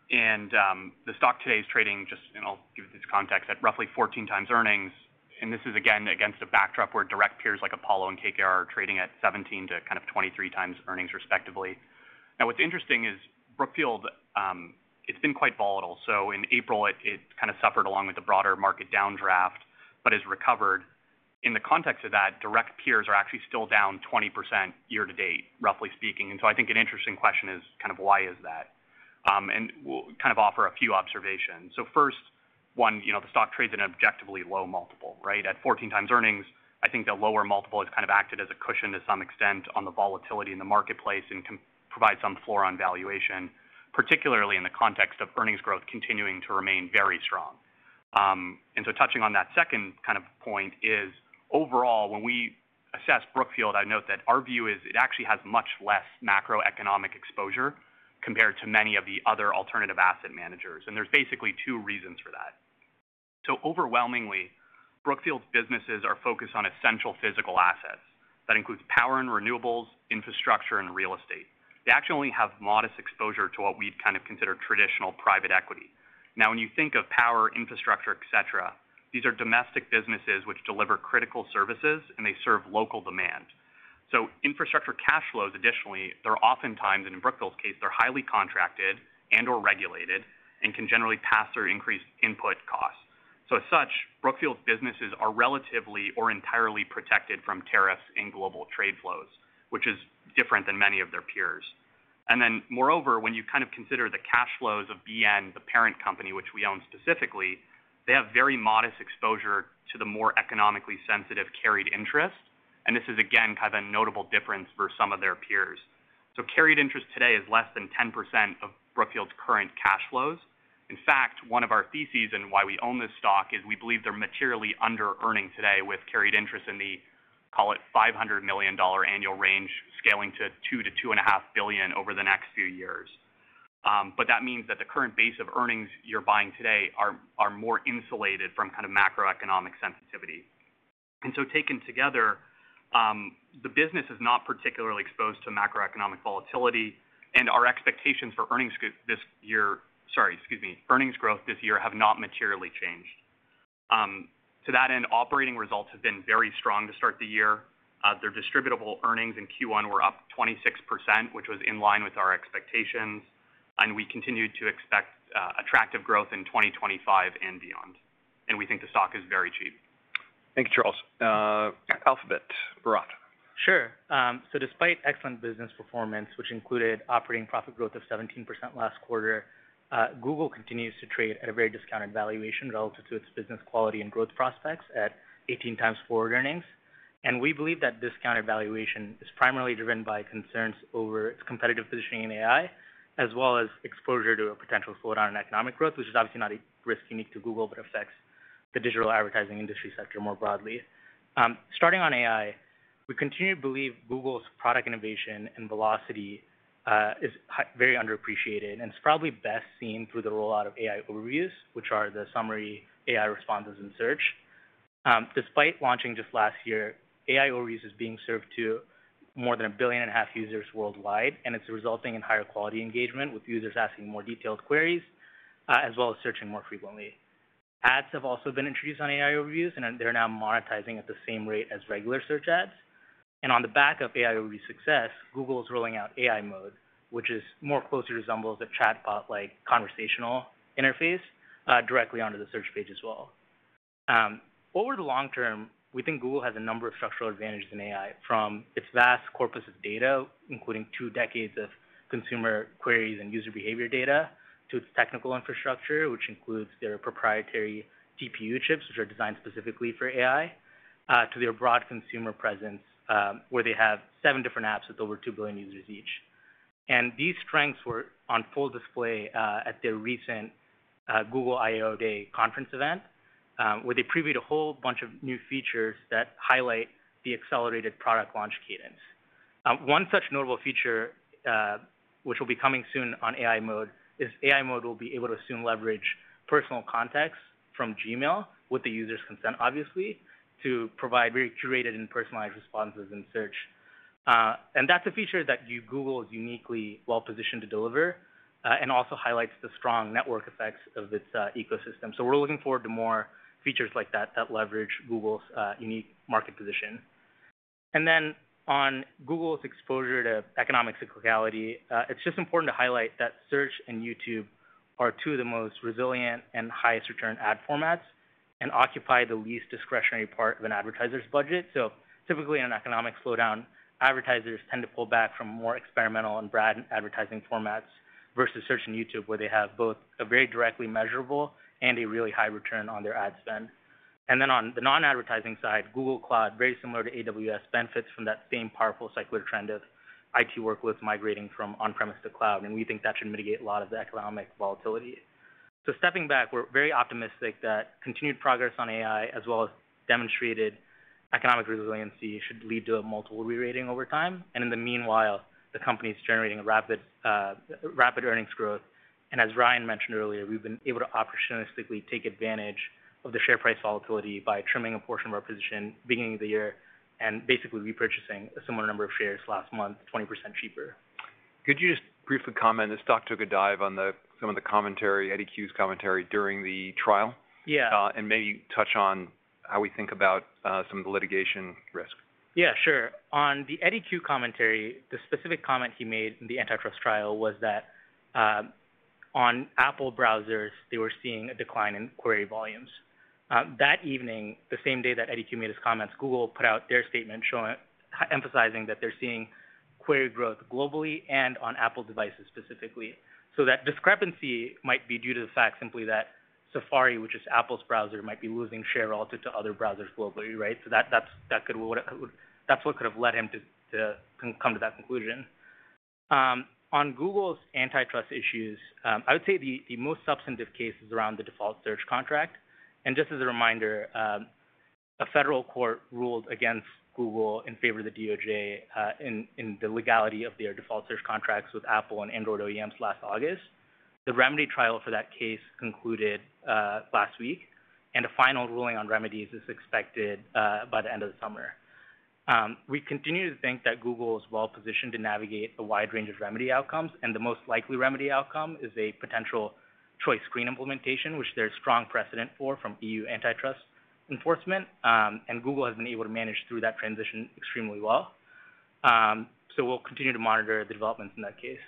[SPEAKER 4] The stock today is trading just, and I'll give you this context, at roughly 14 times earnings. This is, again, against a backdrop where direct peers like Apollo and KKR are trading at 17-23 times earnings respectively. What's interesting is Brookfield, it's been quite volatile. In April, it kind of suffered along with the broader market downdraft, but has recovered. In the context of that, direct peers are actually still down 20% year to date, roughly speaking. I think an interesting question is kind of why is that? We'll kind of offer a few observations. First one, the stock trades at an objectively low multiple, right? At 14 times earnings, I think the lower multiple has kind of acted as a cushion to some extent on the volatility in the marketplace and can provide some floor on valuation, particularly in the context of earnings growth continuing to remain very strong. Touching on that second kind of point is overall, when we assess Brookfield, I note that our view is it actually has much less macroeconomic exposure compared to many of the other alternative asset managers. There are basically two reasons for that. Overwhelmingly, Brookfield's businesses are focused on essential physical assets. That includes power and renewables, infrastructure, and real estate. They actually only have modest exposure to what we'd kind of consider traditional private equity. Now, when you think of power, infrastructure, etc., these are domestic businesses which deliver critical services and they serve local demand. Infrastructure cash flows, additionally, they're oftentimes, in Brookfield's case, they're highly contracted and/or regulated and can generally pass through increased input costs. As such, Brookfield's businesses are relatively or entirely protected from tariffs and global trade flows, which is different than many of their peers. Moreover, when you kind of consider the cash flows of BN, the parent company, which we own specifically, they have very modest exposure to the more economically sensitive carried interest. This is, again, kind of a notable difference for some of their peers. Carried interest today is less than 10% of Brookfield's current cash flows. In fact, one of our theses and why we own this stock is we believe they're materially under-earning today with carried interest in the, call it, $500 million annual range, scaling to $2 billion-$2.5 billion over the next few years. That means that the current base of earnings you're buying today are more insulated from kind of macroeconomic sensitivity. And so taken together, the business is not particularly exposed to macroeconomic volatility. Our expectations for earnings this year—sorry, excuse me—earnings growth this year have not materially changed. To that end, operating results have been very strong to start the year. Their distributable earnings in Q1 were up 26%, which was in line with our expectations. We continue to expect attractive growth in 2025 and beyond. We think the stock is very cheap.
[SPEAKER 2] Thank you, Charles. Alphabet, Bharath.
[SPEAKER 5] Sure. Despite excellent business performance, which included operating profit growth of 17% last quarter, Google continues to trade at a very discounted valuation relative to its business quality and growth prospects at 18 times forward earnings. We believe that discounted valuation is primarily driven by concerns over its competitive positioning in AI, as well as exposure to a potential slowdown in economic growth, which is obviously not a risk unique to Google, but affects the digital advertising industry sector more broadly. Starting on AI, we continue to believe Google's product innovation and velocity is very underappreciated. It is probably best seen through the rollout of AI Overviews, which are the summary AI responses in search. Despite launching just last year, AI Overviews is being served to more than a billion and a half users worldwide. It is resulting in higher quality engagement with users asking more detailed queries, as well as searching more frequently. Ads have also been introduced on AI Overviews, and they are now monetizing at the same rate as regular search ads. On the back of AI Overview success, Google is rolling out AI Mode, which more closely resembles a chatbot-like conversational interface directly onto the search page as well. Over the long term, we think Google has a number of structural advantages in AI, from its vast corpus of data, including two decades of consumer queries and user behavior data, to its technical infrastructure, which includes their proprietary GPU chips, which are designed specifically for AI, to their broad consumer presence, where they have seven different apps with over 2 billion users each. These strengths were on full display at their recent Google I/O Day conference event, where they previewed a whole bunch of new features that highlight the accelerated product launch cadence. One such notable feature, which will be coming soon on AI mode, is AI mode will be able to soon leverage personal contacts from Gmail with the user's consent, obviously, to provide very curated and personalized responses in search. That is a feature that Google is uniquely well-positioned to deliver and also highlights the strong network effects of its ecosystem. We are looking forward to more features like that that leverage Google's unique market position. On Google's exposure to economic cyclicality, it is just important to highlight that search and YouTube are two of the most resilient and highest return ad formats and occupy the least discretionary part of an advertiser's budget. Typically, in an economic slowdown, advertisers tend to pull back from more experimental and brand advertising formats versus search and YouTube, where they have both a very directly measurable and a really high return on their ad spend. On the non-advertising side, Google Cloud, very similar to AWS, benefits from that same powerful cyclic trend of IT workloads migrating from on-premise to cloud. We think that should mitigate a lot of the economic volatility. Stepping back, we're very optimistic that continued progress on AI, as well as demonstrated economic resiliency, should lead to a multiple re-rating over time. In the meanwhile, the company's generating rapid earnings growth. As Ryan mentioned earlier, we've been able to opportunistically take advantage of the share price volatility by trimming a portion of our position at the beginning of the year and basically repurchasing a similar number of shares last month, 20% cheaper.
[SPEAKER 2] Could you just briefly comment? This doc took a dive on some of the commentary, Eddy Cue's commentary during the trial.
[SPEAKER 5] Yeah.
[SPEAKER 2] Maybe touch on how we think about some of the litigation risk.
[SPEAKER 5] Yeah, sure. On the Eddie Q commentary, the specific comment he made in the antitrust trial was that on Apple browsers, they were seeing a decline in query volumes. That evening, the same day that Eddie Q made his comments, Google put out their statement emphasizing that they're seeing query growth globally and on Apple devices specifically. That discrepancy might be due to the fact simply that Safari, which is Apple's browser, might be losing share relative to other browsers globally, right? That is what could have led him to come to that conclusion. On Google's antitrust issues, I would say the most substantive case is around the default search contract. Just as a reminder, a federal court ruled against Google in favor of the DOJ in the legality of their default search contracts with Apple and Android OEMs last August. The remedy trial for that case concluded last week. A final ruling on remedies is expected by the end of the summer. We continue to think that Google is well-positioned to navigate a wide range of remedy outcomes. The most likely remedy outcome is a potential choice screen implementation, which there is strong precedent for from EU antitrust enforcement. Google has been able to manage through that transition extremely well. We will continue to monitor the developments in that case.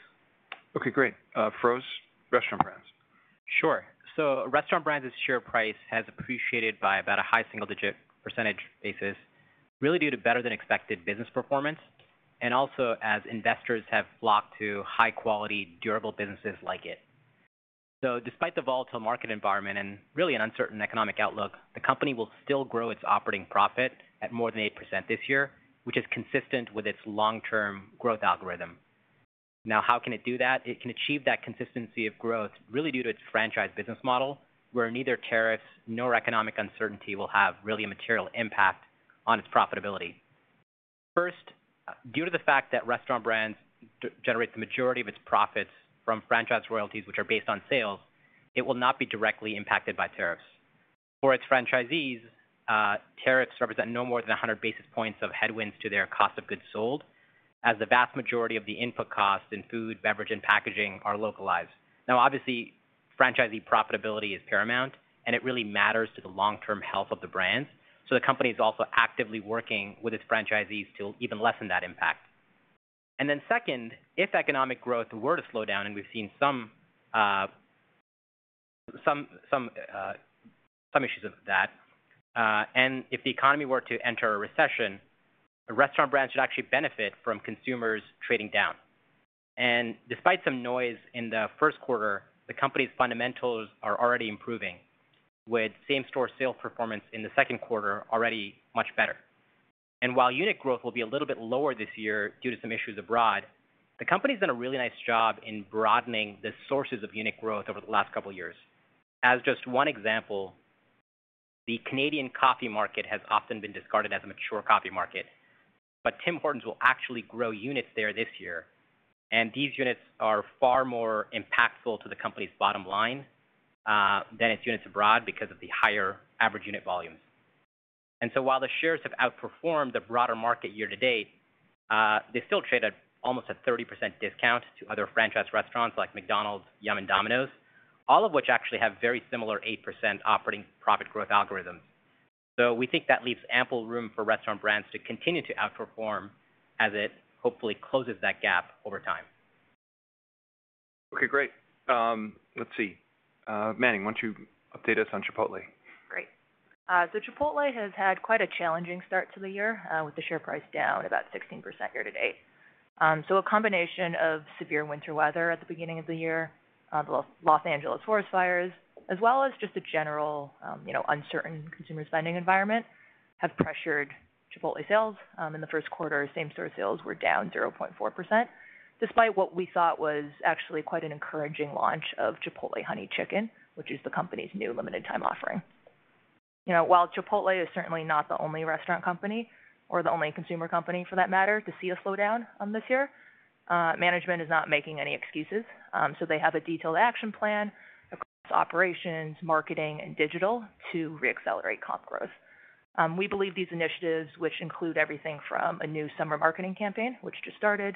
[SPEAKER 2] Okay, great. Feroz, Restaurant Brands.
[SPEAKER 6] Sure. Restaurant Brands' share price has appreciated by about a high single-digit % basis, really due to better-than-expected business performance and also as investors have flocked to high-quality, durable businesses like it. Despite the volatile market environment and really an uncertain economic outlook, the company will still grow its operating profit at more than 8% this year, which is consistent with its long-term growth algorithm. Now, how can it do that? It can achieve that consistency of growth really due to its franchise business model, where neither tariffs nor economic uncertainty will have really a material impact on its profitability. First, due to the fact that Restaurant Brands generates the majority of its profits from franchise royalties, which are based on sales, it will not be directly impacted by tariffs. For its franchisees, tariffs represent no more than 100 basis points of headwinds to their cost of goods sold, as the vast majority of the input costs in food, beverage, and packaging are localized. Obviously, franchisee profitability is paramount, and it really matters to the long-term health of the brands. The company is also actively working with its franchisees to even lessen that impact. Second, if economic growth were to slow down, and we've seen some issues of that, and if the economy were to enter a recession, Restaurant Brands should actually benefit from consumers trading down. Despite some noise in the first quarter, the company's fundamentals are already improving, with same-store sales performance in the second quarter already much better. While unit growth will be a little bit lower this year due to some issues abroad, the company's done a really nice job in broadening the sources of unit growth over the last couple of years. As just one example, the Canadian coffee market has often been discarded as a mature coffee market. Tim Hortons will actually grow units there this year. These units are far more impactful to the company's bottom line than its units abroad because of the higher average unit volumes. While the shares have outperformed the broader market year to date, they still trade at almost a 30% discount to other franchise restaurants like McDonald's, Yum, and Domino's, all of which actually have very similar 8% operating profit growth algorithms. We think that leaves ample room for Restaurant Brands to continue to outperform as it hopefully closes that gap over time.
[SPEAKER 2] Okay, great. Let's see. Manning, why don't you update us on Chipotle?
[SPEAKER 7] Great. Chipotle has had quite a challenging start to the year with the share price down about 16% year to date. A combination of severe winter weather at the beginning of the year, the Los Angeles forest fires, as well as just a general uncertain consumer spending environment have pressured Chipotle sales. In the first quarter, same-store sales were down 0.4%, despite what we thought was actually quite an encouraging launch of Chipotle Honey Chicken, which is the company's new limited-time offering. While Chipotle is certainly not the only restaurant company or the only consumer company for that matter to see a slowdown this year, management is not making any excuses. They have a detailed action plan across operations, marketing, and digital to re-accelerate comp growth. We believe these initiatives, which include everything from a new summer marketing campaign, which just started,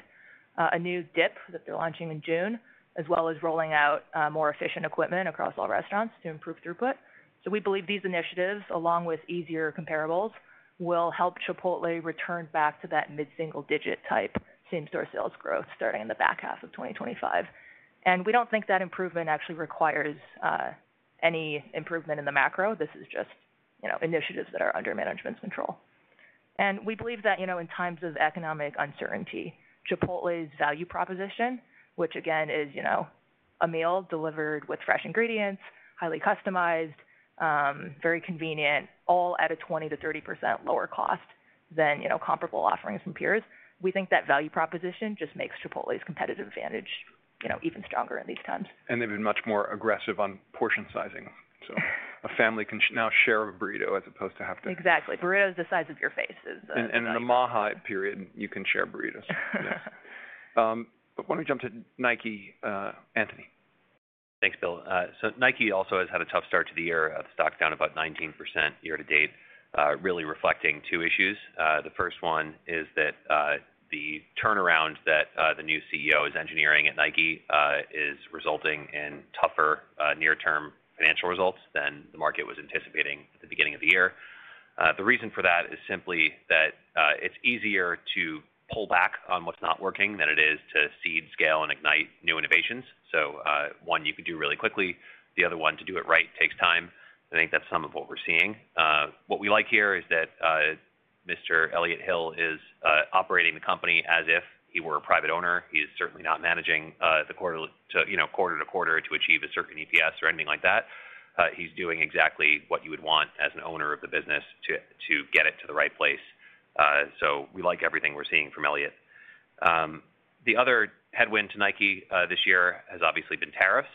[SPEAKER 7] a new dip that they're launching in June, as well as rolling out more efficient equipment across all restaurants to improve throughput. We believe these initiatives, along with easier comparables, will help Chipotle return back to that mid-single-digit type same-store sales growth starting in the back half of 2025. We do not think that improvement actually requires any improvement in the macro. This is just initiatives that are under management's control. We believe that in times of economic uncertainty, Chipotle's value proposition, which again is a meal delivered with fresh ingredients, highly customized, very convenient, all at a 20%-30% lower cost than comparable offerings from peers, we think that value proposition just makes Chipotle's competitive advantage even stronger in these times.
[SPEAKER 2] They've been much more aggressive on portion sizing. A family can now share a burrito as opposed to have to.
[SPEAKER 7] Exactly. Burrito is the size of your face.
[SPEAKER 2] In the MAHA period, you can share burritos. Why don't we jump to Nike, Anthony?
[SPEAKER 8] Thanks, Bill. Nike also has had a tough start to the year. The stock's down about 19% year to date, really reflecting two issues. The first one is that the turnaround that the new CEO is engineering at Nike is resulting in tougher near-term financial results than the market was anticipating at the beginning of the year. The reason for that is simply that it's easier to pull back on what's not working than it is to seed, scale, and ignite new innovations. One, you could do really quickly. The other one, to do it right, takes time. I think that's some of what we're seeing. What we like here is that Mr. Elliot Hill is operating the company as if he were a private owner. He is certainly not managing the quarter to quarter to achieve a certain EPS or anything like that. He's doing exactly what you would want as an owner of the business to get it to the right place. We like everything we're seeing from Elliot. The other headwind to Nike this year has obviously been tariffs.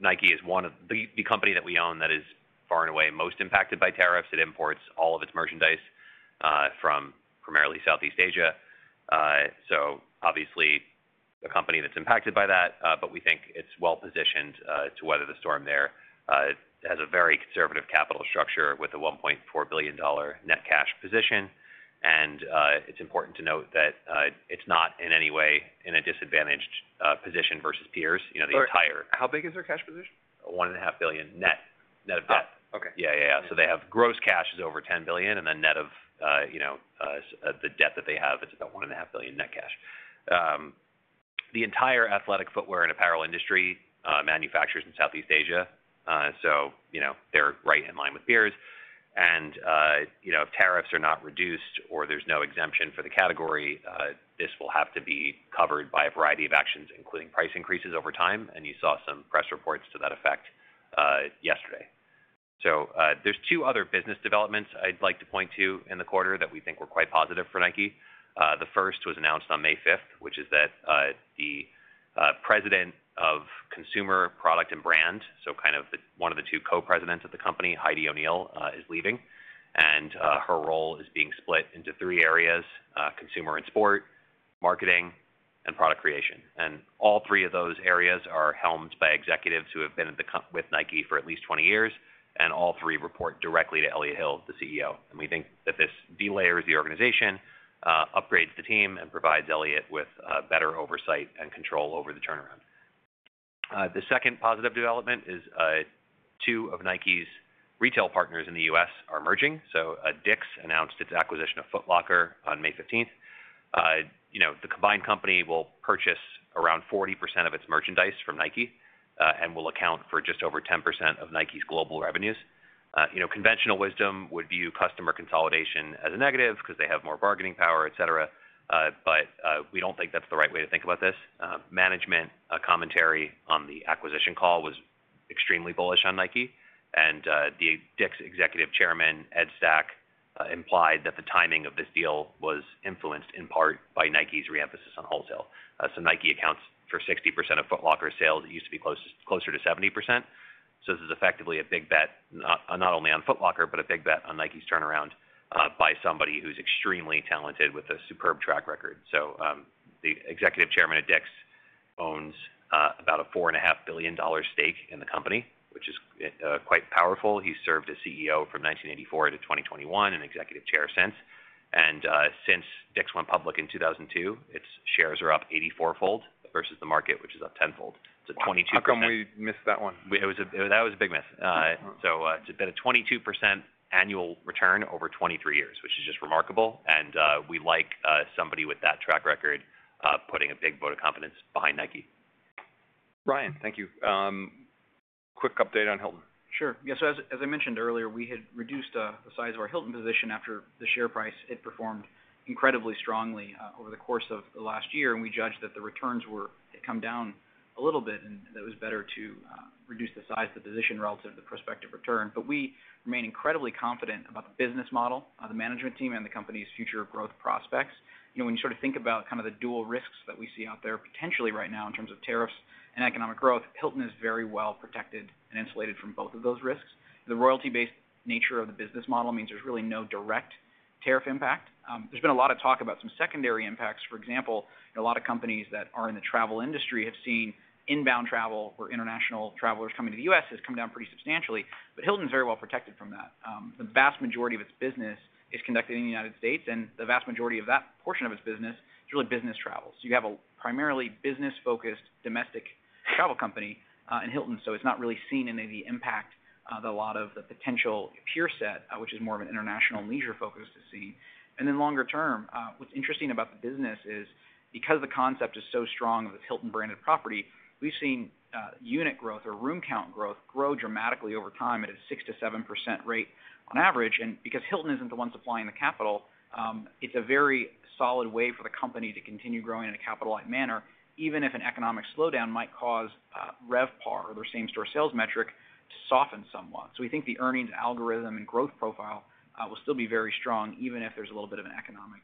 [SPEAKER 8] Nike is the company that we own that is far and away most impacted by tariffs. It imports all of its merchandise from primarily Southeast Asia. Obviously, a company that's impacted by that, but we think it's well-positioned to weather the storm there. It has a very conservative capital structure with a $1.4 billion net cash position. It's important to note that it's not in any way in a disadvantaged position versus peers. The entire.
[SPEAKER 2] How big is their cash position?
[SPEAKER 8] One and a half billion net of debt.
[SPEAKER 2] Oh, okay.
[SPEAKER 8] Yeah, yeah, yeah. They have gross cash is over $10 billion, and then net of the debt that they have, it's about $1.5 billion net cash. The entire athletic footwear and apparel industry manufactures in Southeast Asia. They're right in line with peers. If tariffs are not reduced or there's no exemption for the category, this will have to be covered by a variety of actions, including price increases over time. You saw some press reports to that effect yesterday. There are two other business developments I'd like to point to in the quarter that we think were quite positive for Nike. The first was announced on May 5th, which is that the President of Consumer Product and Brand, so kind of one of the two co-presidents of the company, Heidi O'Neill, is leaving. Her role is being split into three areas: consumer and sport, marketing, and product creation. All three of those areas are helmed by executives who have been with Nike for at least 20 years. All three report directly to Elliot Hill, the CEO. We think that this delayers the organization, upgrades the team, and provides Elliot with better oversight and control over the turnaround. The second positive development is two of Nike's retail partners in the U.S. are merging. Dick's announced its acquisition of Foot Locker on May 15th. The combined company will purchase around 40% of its merchandise from Nike and will account for just over 10% of Nike's global revenues. Conventional wisdom would view customer consolidation as a negative because they have more bargaining power, etc. We do not think that is the right way to think about this. Management commentary on the acquisition call was extremely bullish on Nike. Dick's Executive Chairman, Ed Stack, implied that the timing of this deal was influenced in part by Nike's re-emphasis on wholesale. Nike accounts for 60% of Foot Locker's sales. It used to be closer to 70%. This is effectively a big bet, not only on Foot Locker, but a big bet on Nike's turnaround by somebody who's extremely talented with a superb track record. The Executive Chairman at Dick's owns about a $4.5 billion stake in the company, which is quite powerful. He served as CEO from 1984 to 2021 and Executive Chair since. Since Dick's went public in 2002, its shares are up 84-fold versus the market, which is up 10-fold. It is a 22%.
[SPEAKER 2] How come we missed that one?
[SPEAKER 8] That was a big miss. It has been a 22% annual return over 23 years, which is just remarkable. We like somebody with that track record putting a big vote of confidence behind Nike.
[SPEAKER 2] Ryan, thank you. Quick update on Hilton.
[SPEAKER 3] Sure. Yeah. So as I mentioned earlier, we had reduced the size of our Hilton position after the share price. It performed incredibly strongly over the course of the last year. We judged that the returns had come down a little bit, and that it was better to reduce the size of the position relative to the prospective return. We remain incredibly confident about the business model, the management team, and the company's future growth prospects. When you sort of think about kind of the dual risks that we see out there potentially right now in terms of tariffs and economic growth, Hilton is very well protected and insulated from both of those risks. The royalty-based nature of the business model means there's really no direct tariff impact. There's been a lot of talk about some secondary impacts. For example, a lot of companies that are in the travel industry have seen inbound travel for international travelers coming to the U.S. has come down pretty substantially. Hilton is very well protected from that. The vast majority of its business is conducted in the United States. The vast majority of that portion of its business is really business travel. You have a primarily business-focused domestic travel company in Hilton. It has not really seen any of the impact that a lot of the potential peer set, which is more of an international leisure focus, is seeing. Longer term, what's interesting about the business is because the concept is so strong of this Hilton-branded property, we have seen unit growth or room count growth grow dramatically over time at a 6-7% rate on average. Because Hilton isn't the one supplying the capital, it's a very solid way for the company to continue growing in a capital-light manner, even if an economic slowdown might cause RevPAR or their same-store sales metric to soften somewhat. We think the earnings algorithm and growth profile will still be very strong even if there's a little bit of an economic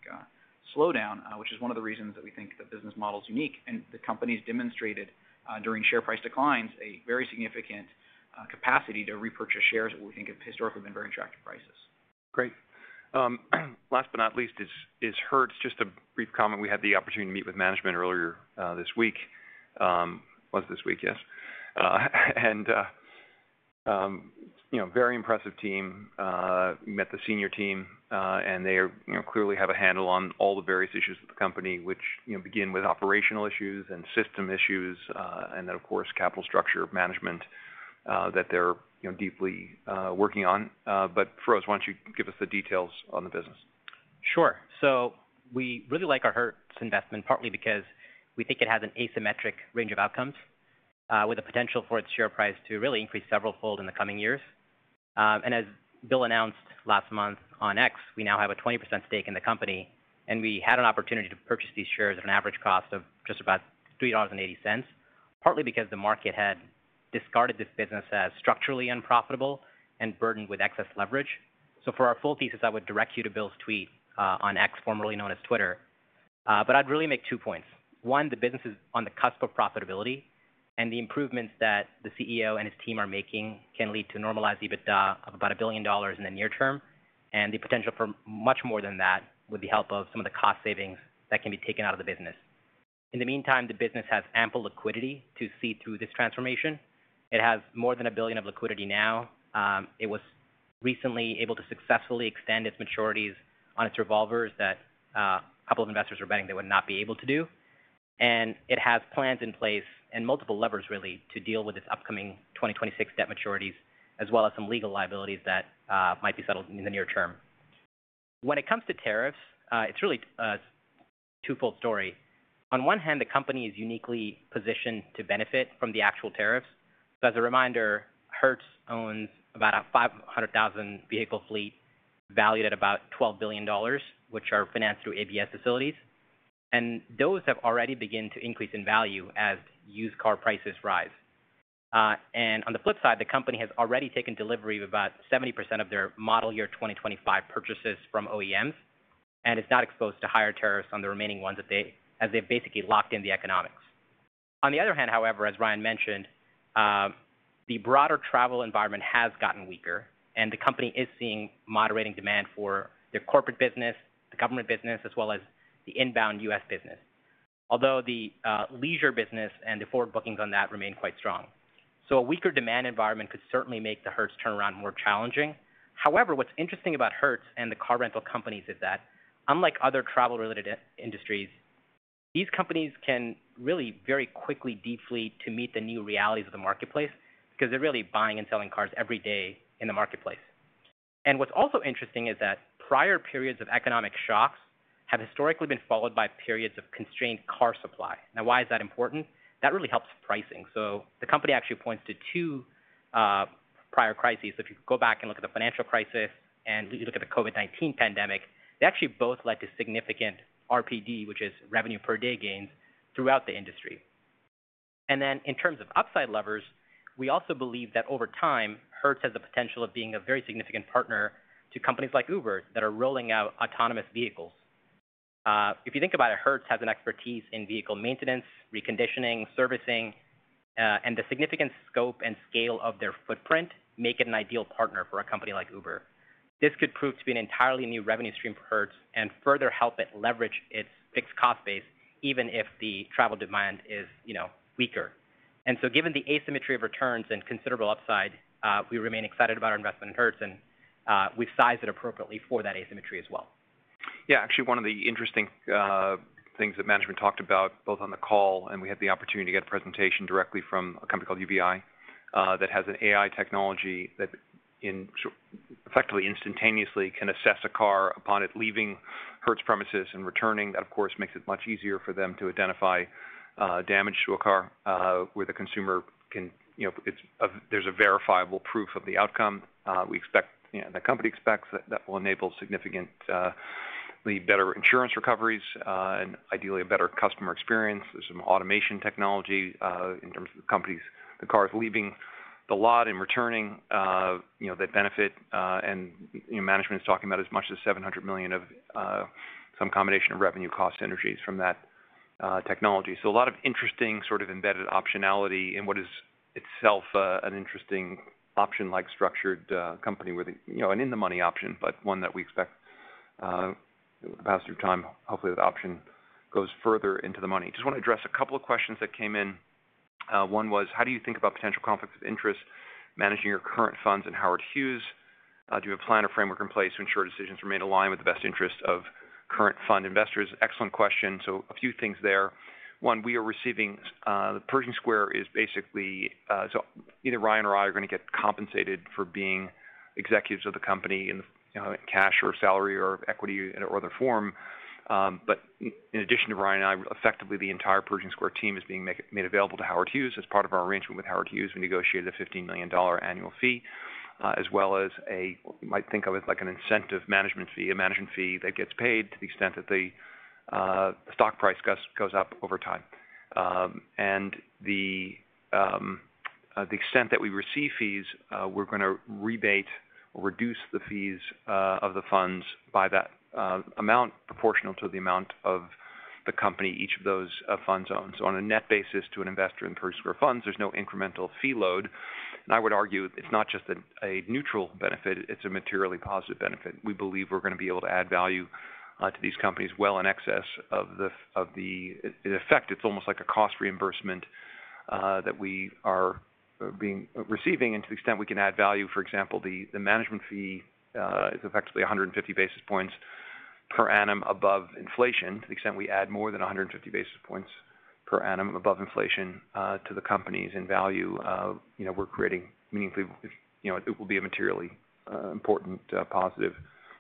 [SPEAKER 3] slowdown, which is one of the reasons that we think the business model is unique. The company's demonstrated during share price declines a very significant capacity to repurchase shares that we think have historically been at very attractive prices.
[SPEAKER 2] Great. Last but not least is Hertz. Just a brief comment. We had the opportunity to meet with management earlier this week. Was this week, yes. And very impressive team. We met the senior team, and they clearly have a handle on all the various issues with the company, which begin with operational issues and system issues, and then, of course, capital structure management that they're deeply working on. But, Feroz, why don't you give us the details on the business?
[SPEAKER 6] Sure. We really like our Hertz investment partly because we think it has an asymmetric range of outcomes with a potential for its share price to really increase several-fold in the coming years. As Bill announced last month on X, we now have a 20% stake in the company. We had an opportunity to purchase these shares at an average cost of just about $3.80, partly because the market had discarded this business as structurally unprofitable and burdened with excess leverage. For our full thesis, I would direct you to Bill's tweet on X, formerly known as Twitter. I would really make two points. One, the business is on the cusp of profitability. The improvements that the CEO and his team are making can lead to normalized EBITDA of about $1 billion in the near term.
[SPEAKER 8] The potential for much more than that with the help of some of the cost savings that can be taken out of the business exists. In the meantime, the business has ample liquidity to see through this transformation. It has more than $1 billion of liquidity now. It was recently able to successfully extend its maturities on its revolvers that a couple of investors were betting it would not be able to do. It has plans in place and multiple levers, really, to deal with its upcoming 2026 debt maturities, as well as some legal liabilities that might be settled in the near term. When it comes to tariffs, it is really a twofold story. On one hand, the company is uniquely positioned to benefit from the actual tariffs. As a reminder, Hertz owns about a 500,000 vehicle fleet valued at about $12 billion, which are financed through ABS facilities. Those have already begun to increase in value as used car prices rise. On the flip side, the company has already taken delivery of about 70% of their model year 2025 purchases from OEMs. It is not exposed to higher tariffs on the remaining ones as they have basically locked in the economics. On the other hand, however, as Ryan mentioned, the broader travel environment has gotten weaker. The company is seeing moderating demand for their corporate business, the government business, as well as the inbound U.S. business, although the leisure business and the forward bookings on that remain quite strong. A weaker demand environment could certainly make the Hertz turnaround more challenging. However, what's interesting about Hertz and the car rental companies is that, unlike other travel-related industries, these companies can really very quickly deflate to meet the new realities of the marketplace because they're really buying and selling cars every day in the marketplace. What's also interesting is that prior periods of economic shocks have historically been followed by periods of constrained car supply. Now, why is that important? That really helps pricing. The company actually points to two prior crises. If you go back and look at the financial crisis and you look at the COVID-19 pandemic, they actually both led to significant RPD, which is revenue per day gains, throughout the industry. In terms of upside levers, we also believe that over time, Hertz has the potential of being a very significant partner to companies like Uber that are rolling out autonomous vehicles. If you think about it, Hertz has an expertise in vehicle maintenance, reconditioning, servicing, and the significant scope and scale of their footprint make it an ideal partner for a company like Uber. This could prove to be an entirely new revenue stream for Hertz and further help it leverage its fixed cost base, even if the travel demand is weaker. Given the asymmetry of returns and considerable upside, we remain excited about our investment in Hertz. We have sized it appropriately for that asymmetry as well.
[SPEAKER 2] Yeah. Actually, one of the interesting things that management talked about both on the call, and we had the opportunity to get a presentation directly from a company called UVI that has an AI technology that effectively instantaneously can assess a car upon it leaving Hertz premises and returning. That, of course, makes it much easier for them to identify damage to a car where the consumer can—there is a verifiable proof of the outcome. We expect, the company expects, that that will enable significantly better insurance recoveries and ideally a better customer experience. There is some automation technology in terms of the company's cars leaving the lot and returning that benefit. Management is talking about as much as $700 million of some combination of revenue, cost, and energies from that technology. A lot of interesting sort of embedded optionality in what is itself an interesting option-like structured company with an in-the-money option, but one that we expect to pass through time, hopefully, the option goes further into the money. I just want to address a couple of questions that came in. One was, how do you think about potential conflicts of interest managing your current funds and Howard Hughes? Do you have a plan or framework in place to ensure decisions remain aligned with the best interest of current fund investors? Excellent question. A few things there. One, we are receiving—Pershing Square is basically—so either Ryan or I are going to get compensated for being executives of the company in cash or salary or equity or other form. In addition to Ryan and I, effectively the entire Pershing Square team is being made available to Howard Hughes as part of our arrangement with Howard Hughes. We negotiated a $15 million annual fee, as well as a, you might think of it like an incentive management fee, a management fee that gets paid to the extent that the stock price goes up over time. To the extent that we receive fees, we are going to rebate or reduce the fees of the funds by that amount proportional to the amount of the company each of those funds owns. On a net basis to an investor in Pershing Square funds, there is no incremental fee load. I would argue it is not just a neutral benefit. It is a materially positive benefit. We believe we are going to be able to add value to these companies well in excess of the effect. It's almost like a cost reimbursement that we are receiving and to the extent we can add value. For example, the management fee is effectively 150 basis points per annum above inflation. To the extent we add more than 150 basis points per annum above inflation to the companies in value, we're creating meaningfully—it will be a materially important positive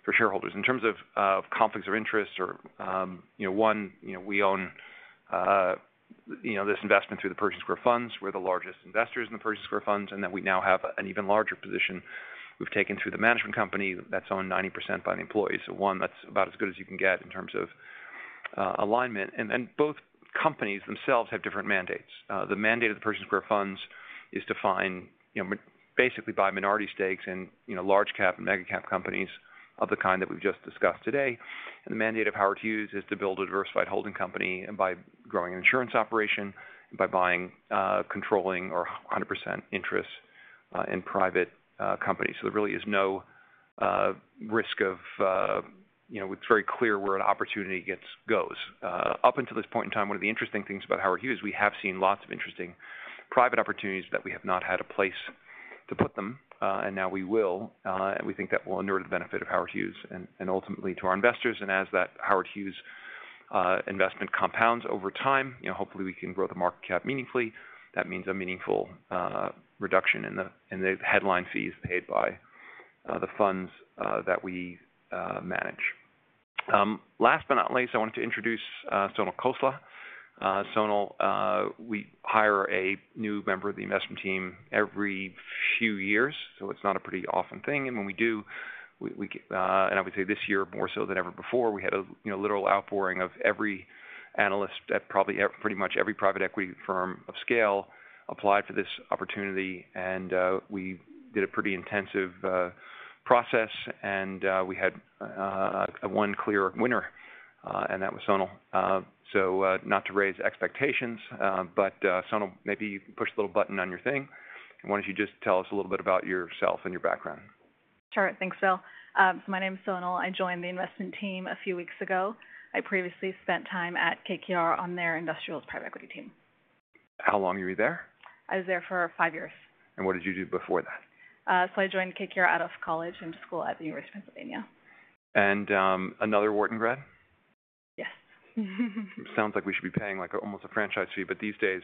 [SPEAKER 2] for shareholders. In terms of conflicts of interest, or one, we own this investment through the Pershing Square funds. We're the largest investors in the Pershing Square funds. We now have an even larger position we've taken through the management company that's owned 90% by the employees. One, that's about as good as you can get in terms of alignment. Both companies themselves have different mandates. The mandate of the Pershing Square funds is defined basically by minority stakes in large-cap and mega-cap companies of the kind that we've just discussed today. The mandate of Howard Hughes is to build a diversified holding company by growing an insurance operation, by buying, controlling, or 100% interest in private companies. There really is no risk of—it's very clear where an opportunity goes. Up until this point in time, one of the interesting things about Howard Hughes is we have seen lots of interesting private opportunities that we have not had a place to put them. Now we will. We think that will inure to the benefit of Howard Hughes and ultimately to our investors. As that Howard Hughes investment compounds over time, hopefully, we can grow the market cap meaningfully. That means a meaningful reduction in the headline fees paid by the funds that we manage. Last but not least, I wanted to introduce Sonal Khosla. Sonal, we hire a new member of the investment team every few years. So it is not a pretty often thing. And when we do, and I would say this year more so than ever before, we had a literal outpouring of every analyst at probably pretty much every private equity firm of scale applied for this opportunity. We did a pretty intensive process. We had one clear winner. That was Sonal. Not to raise expectations, but Sonal, maybe you can push the little button on your thing. Why do you not just tell us a little bit about yourself and your background?
[SPEAKER 9] Sure. Thanks, Phil. My name is Sonal. I joined the investment team a few weeks ago. I previously spent time at KKR on their industrials private equity team.
[SPEAKER 2] How long were you there?
[SPEAKER 9] I was there for five years.
[SPEAKER 2] What did you do before that?
[SPEAKER 9] I joined KKR out of college and to school at the University of Pennsylvania.
[SPEAKER 2] Another Wharton grad?
[SPEAKER 9] Yes.
[SPEAKER 2] Sounds like we should be paying almost a franchise fee. These days,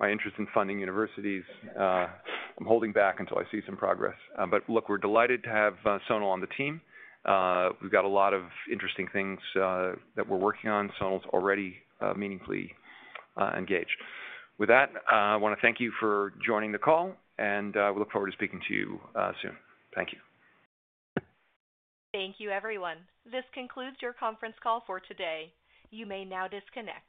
[SPEAKER 2] my interest in funding universities, I'm holding back until I see some progress. Look, we're delighted to have Sonal on the team. We've got a lot of interesting things that we're working on. Sonal's already meaningfully engaged. With that, I want to thank you for joining the call. We look forward to speaking to you soon. Thank you.
[SPEAKER 1] Thank you, everyone. This concludes your conference call for today. You may now disconnect.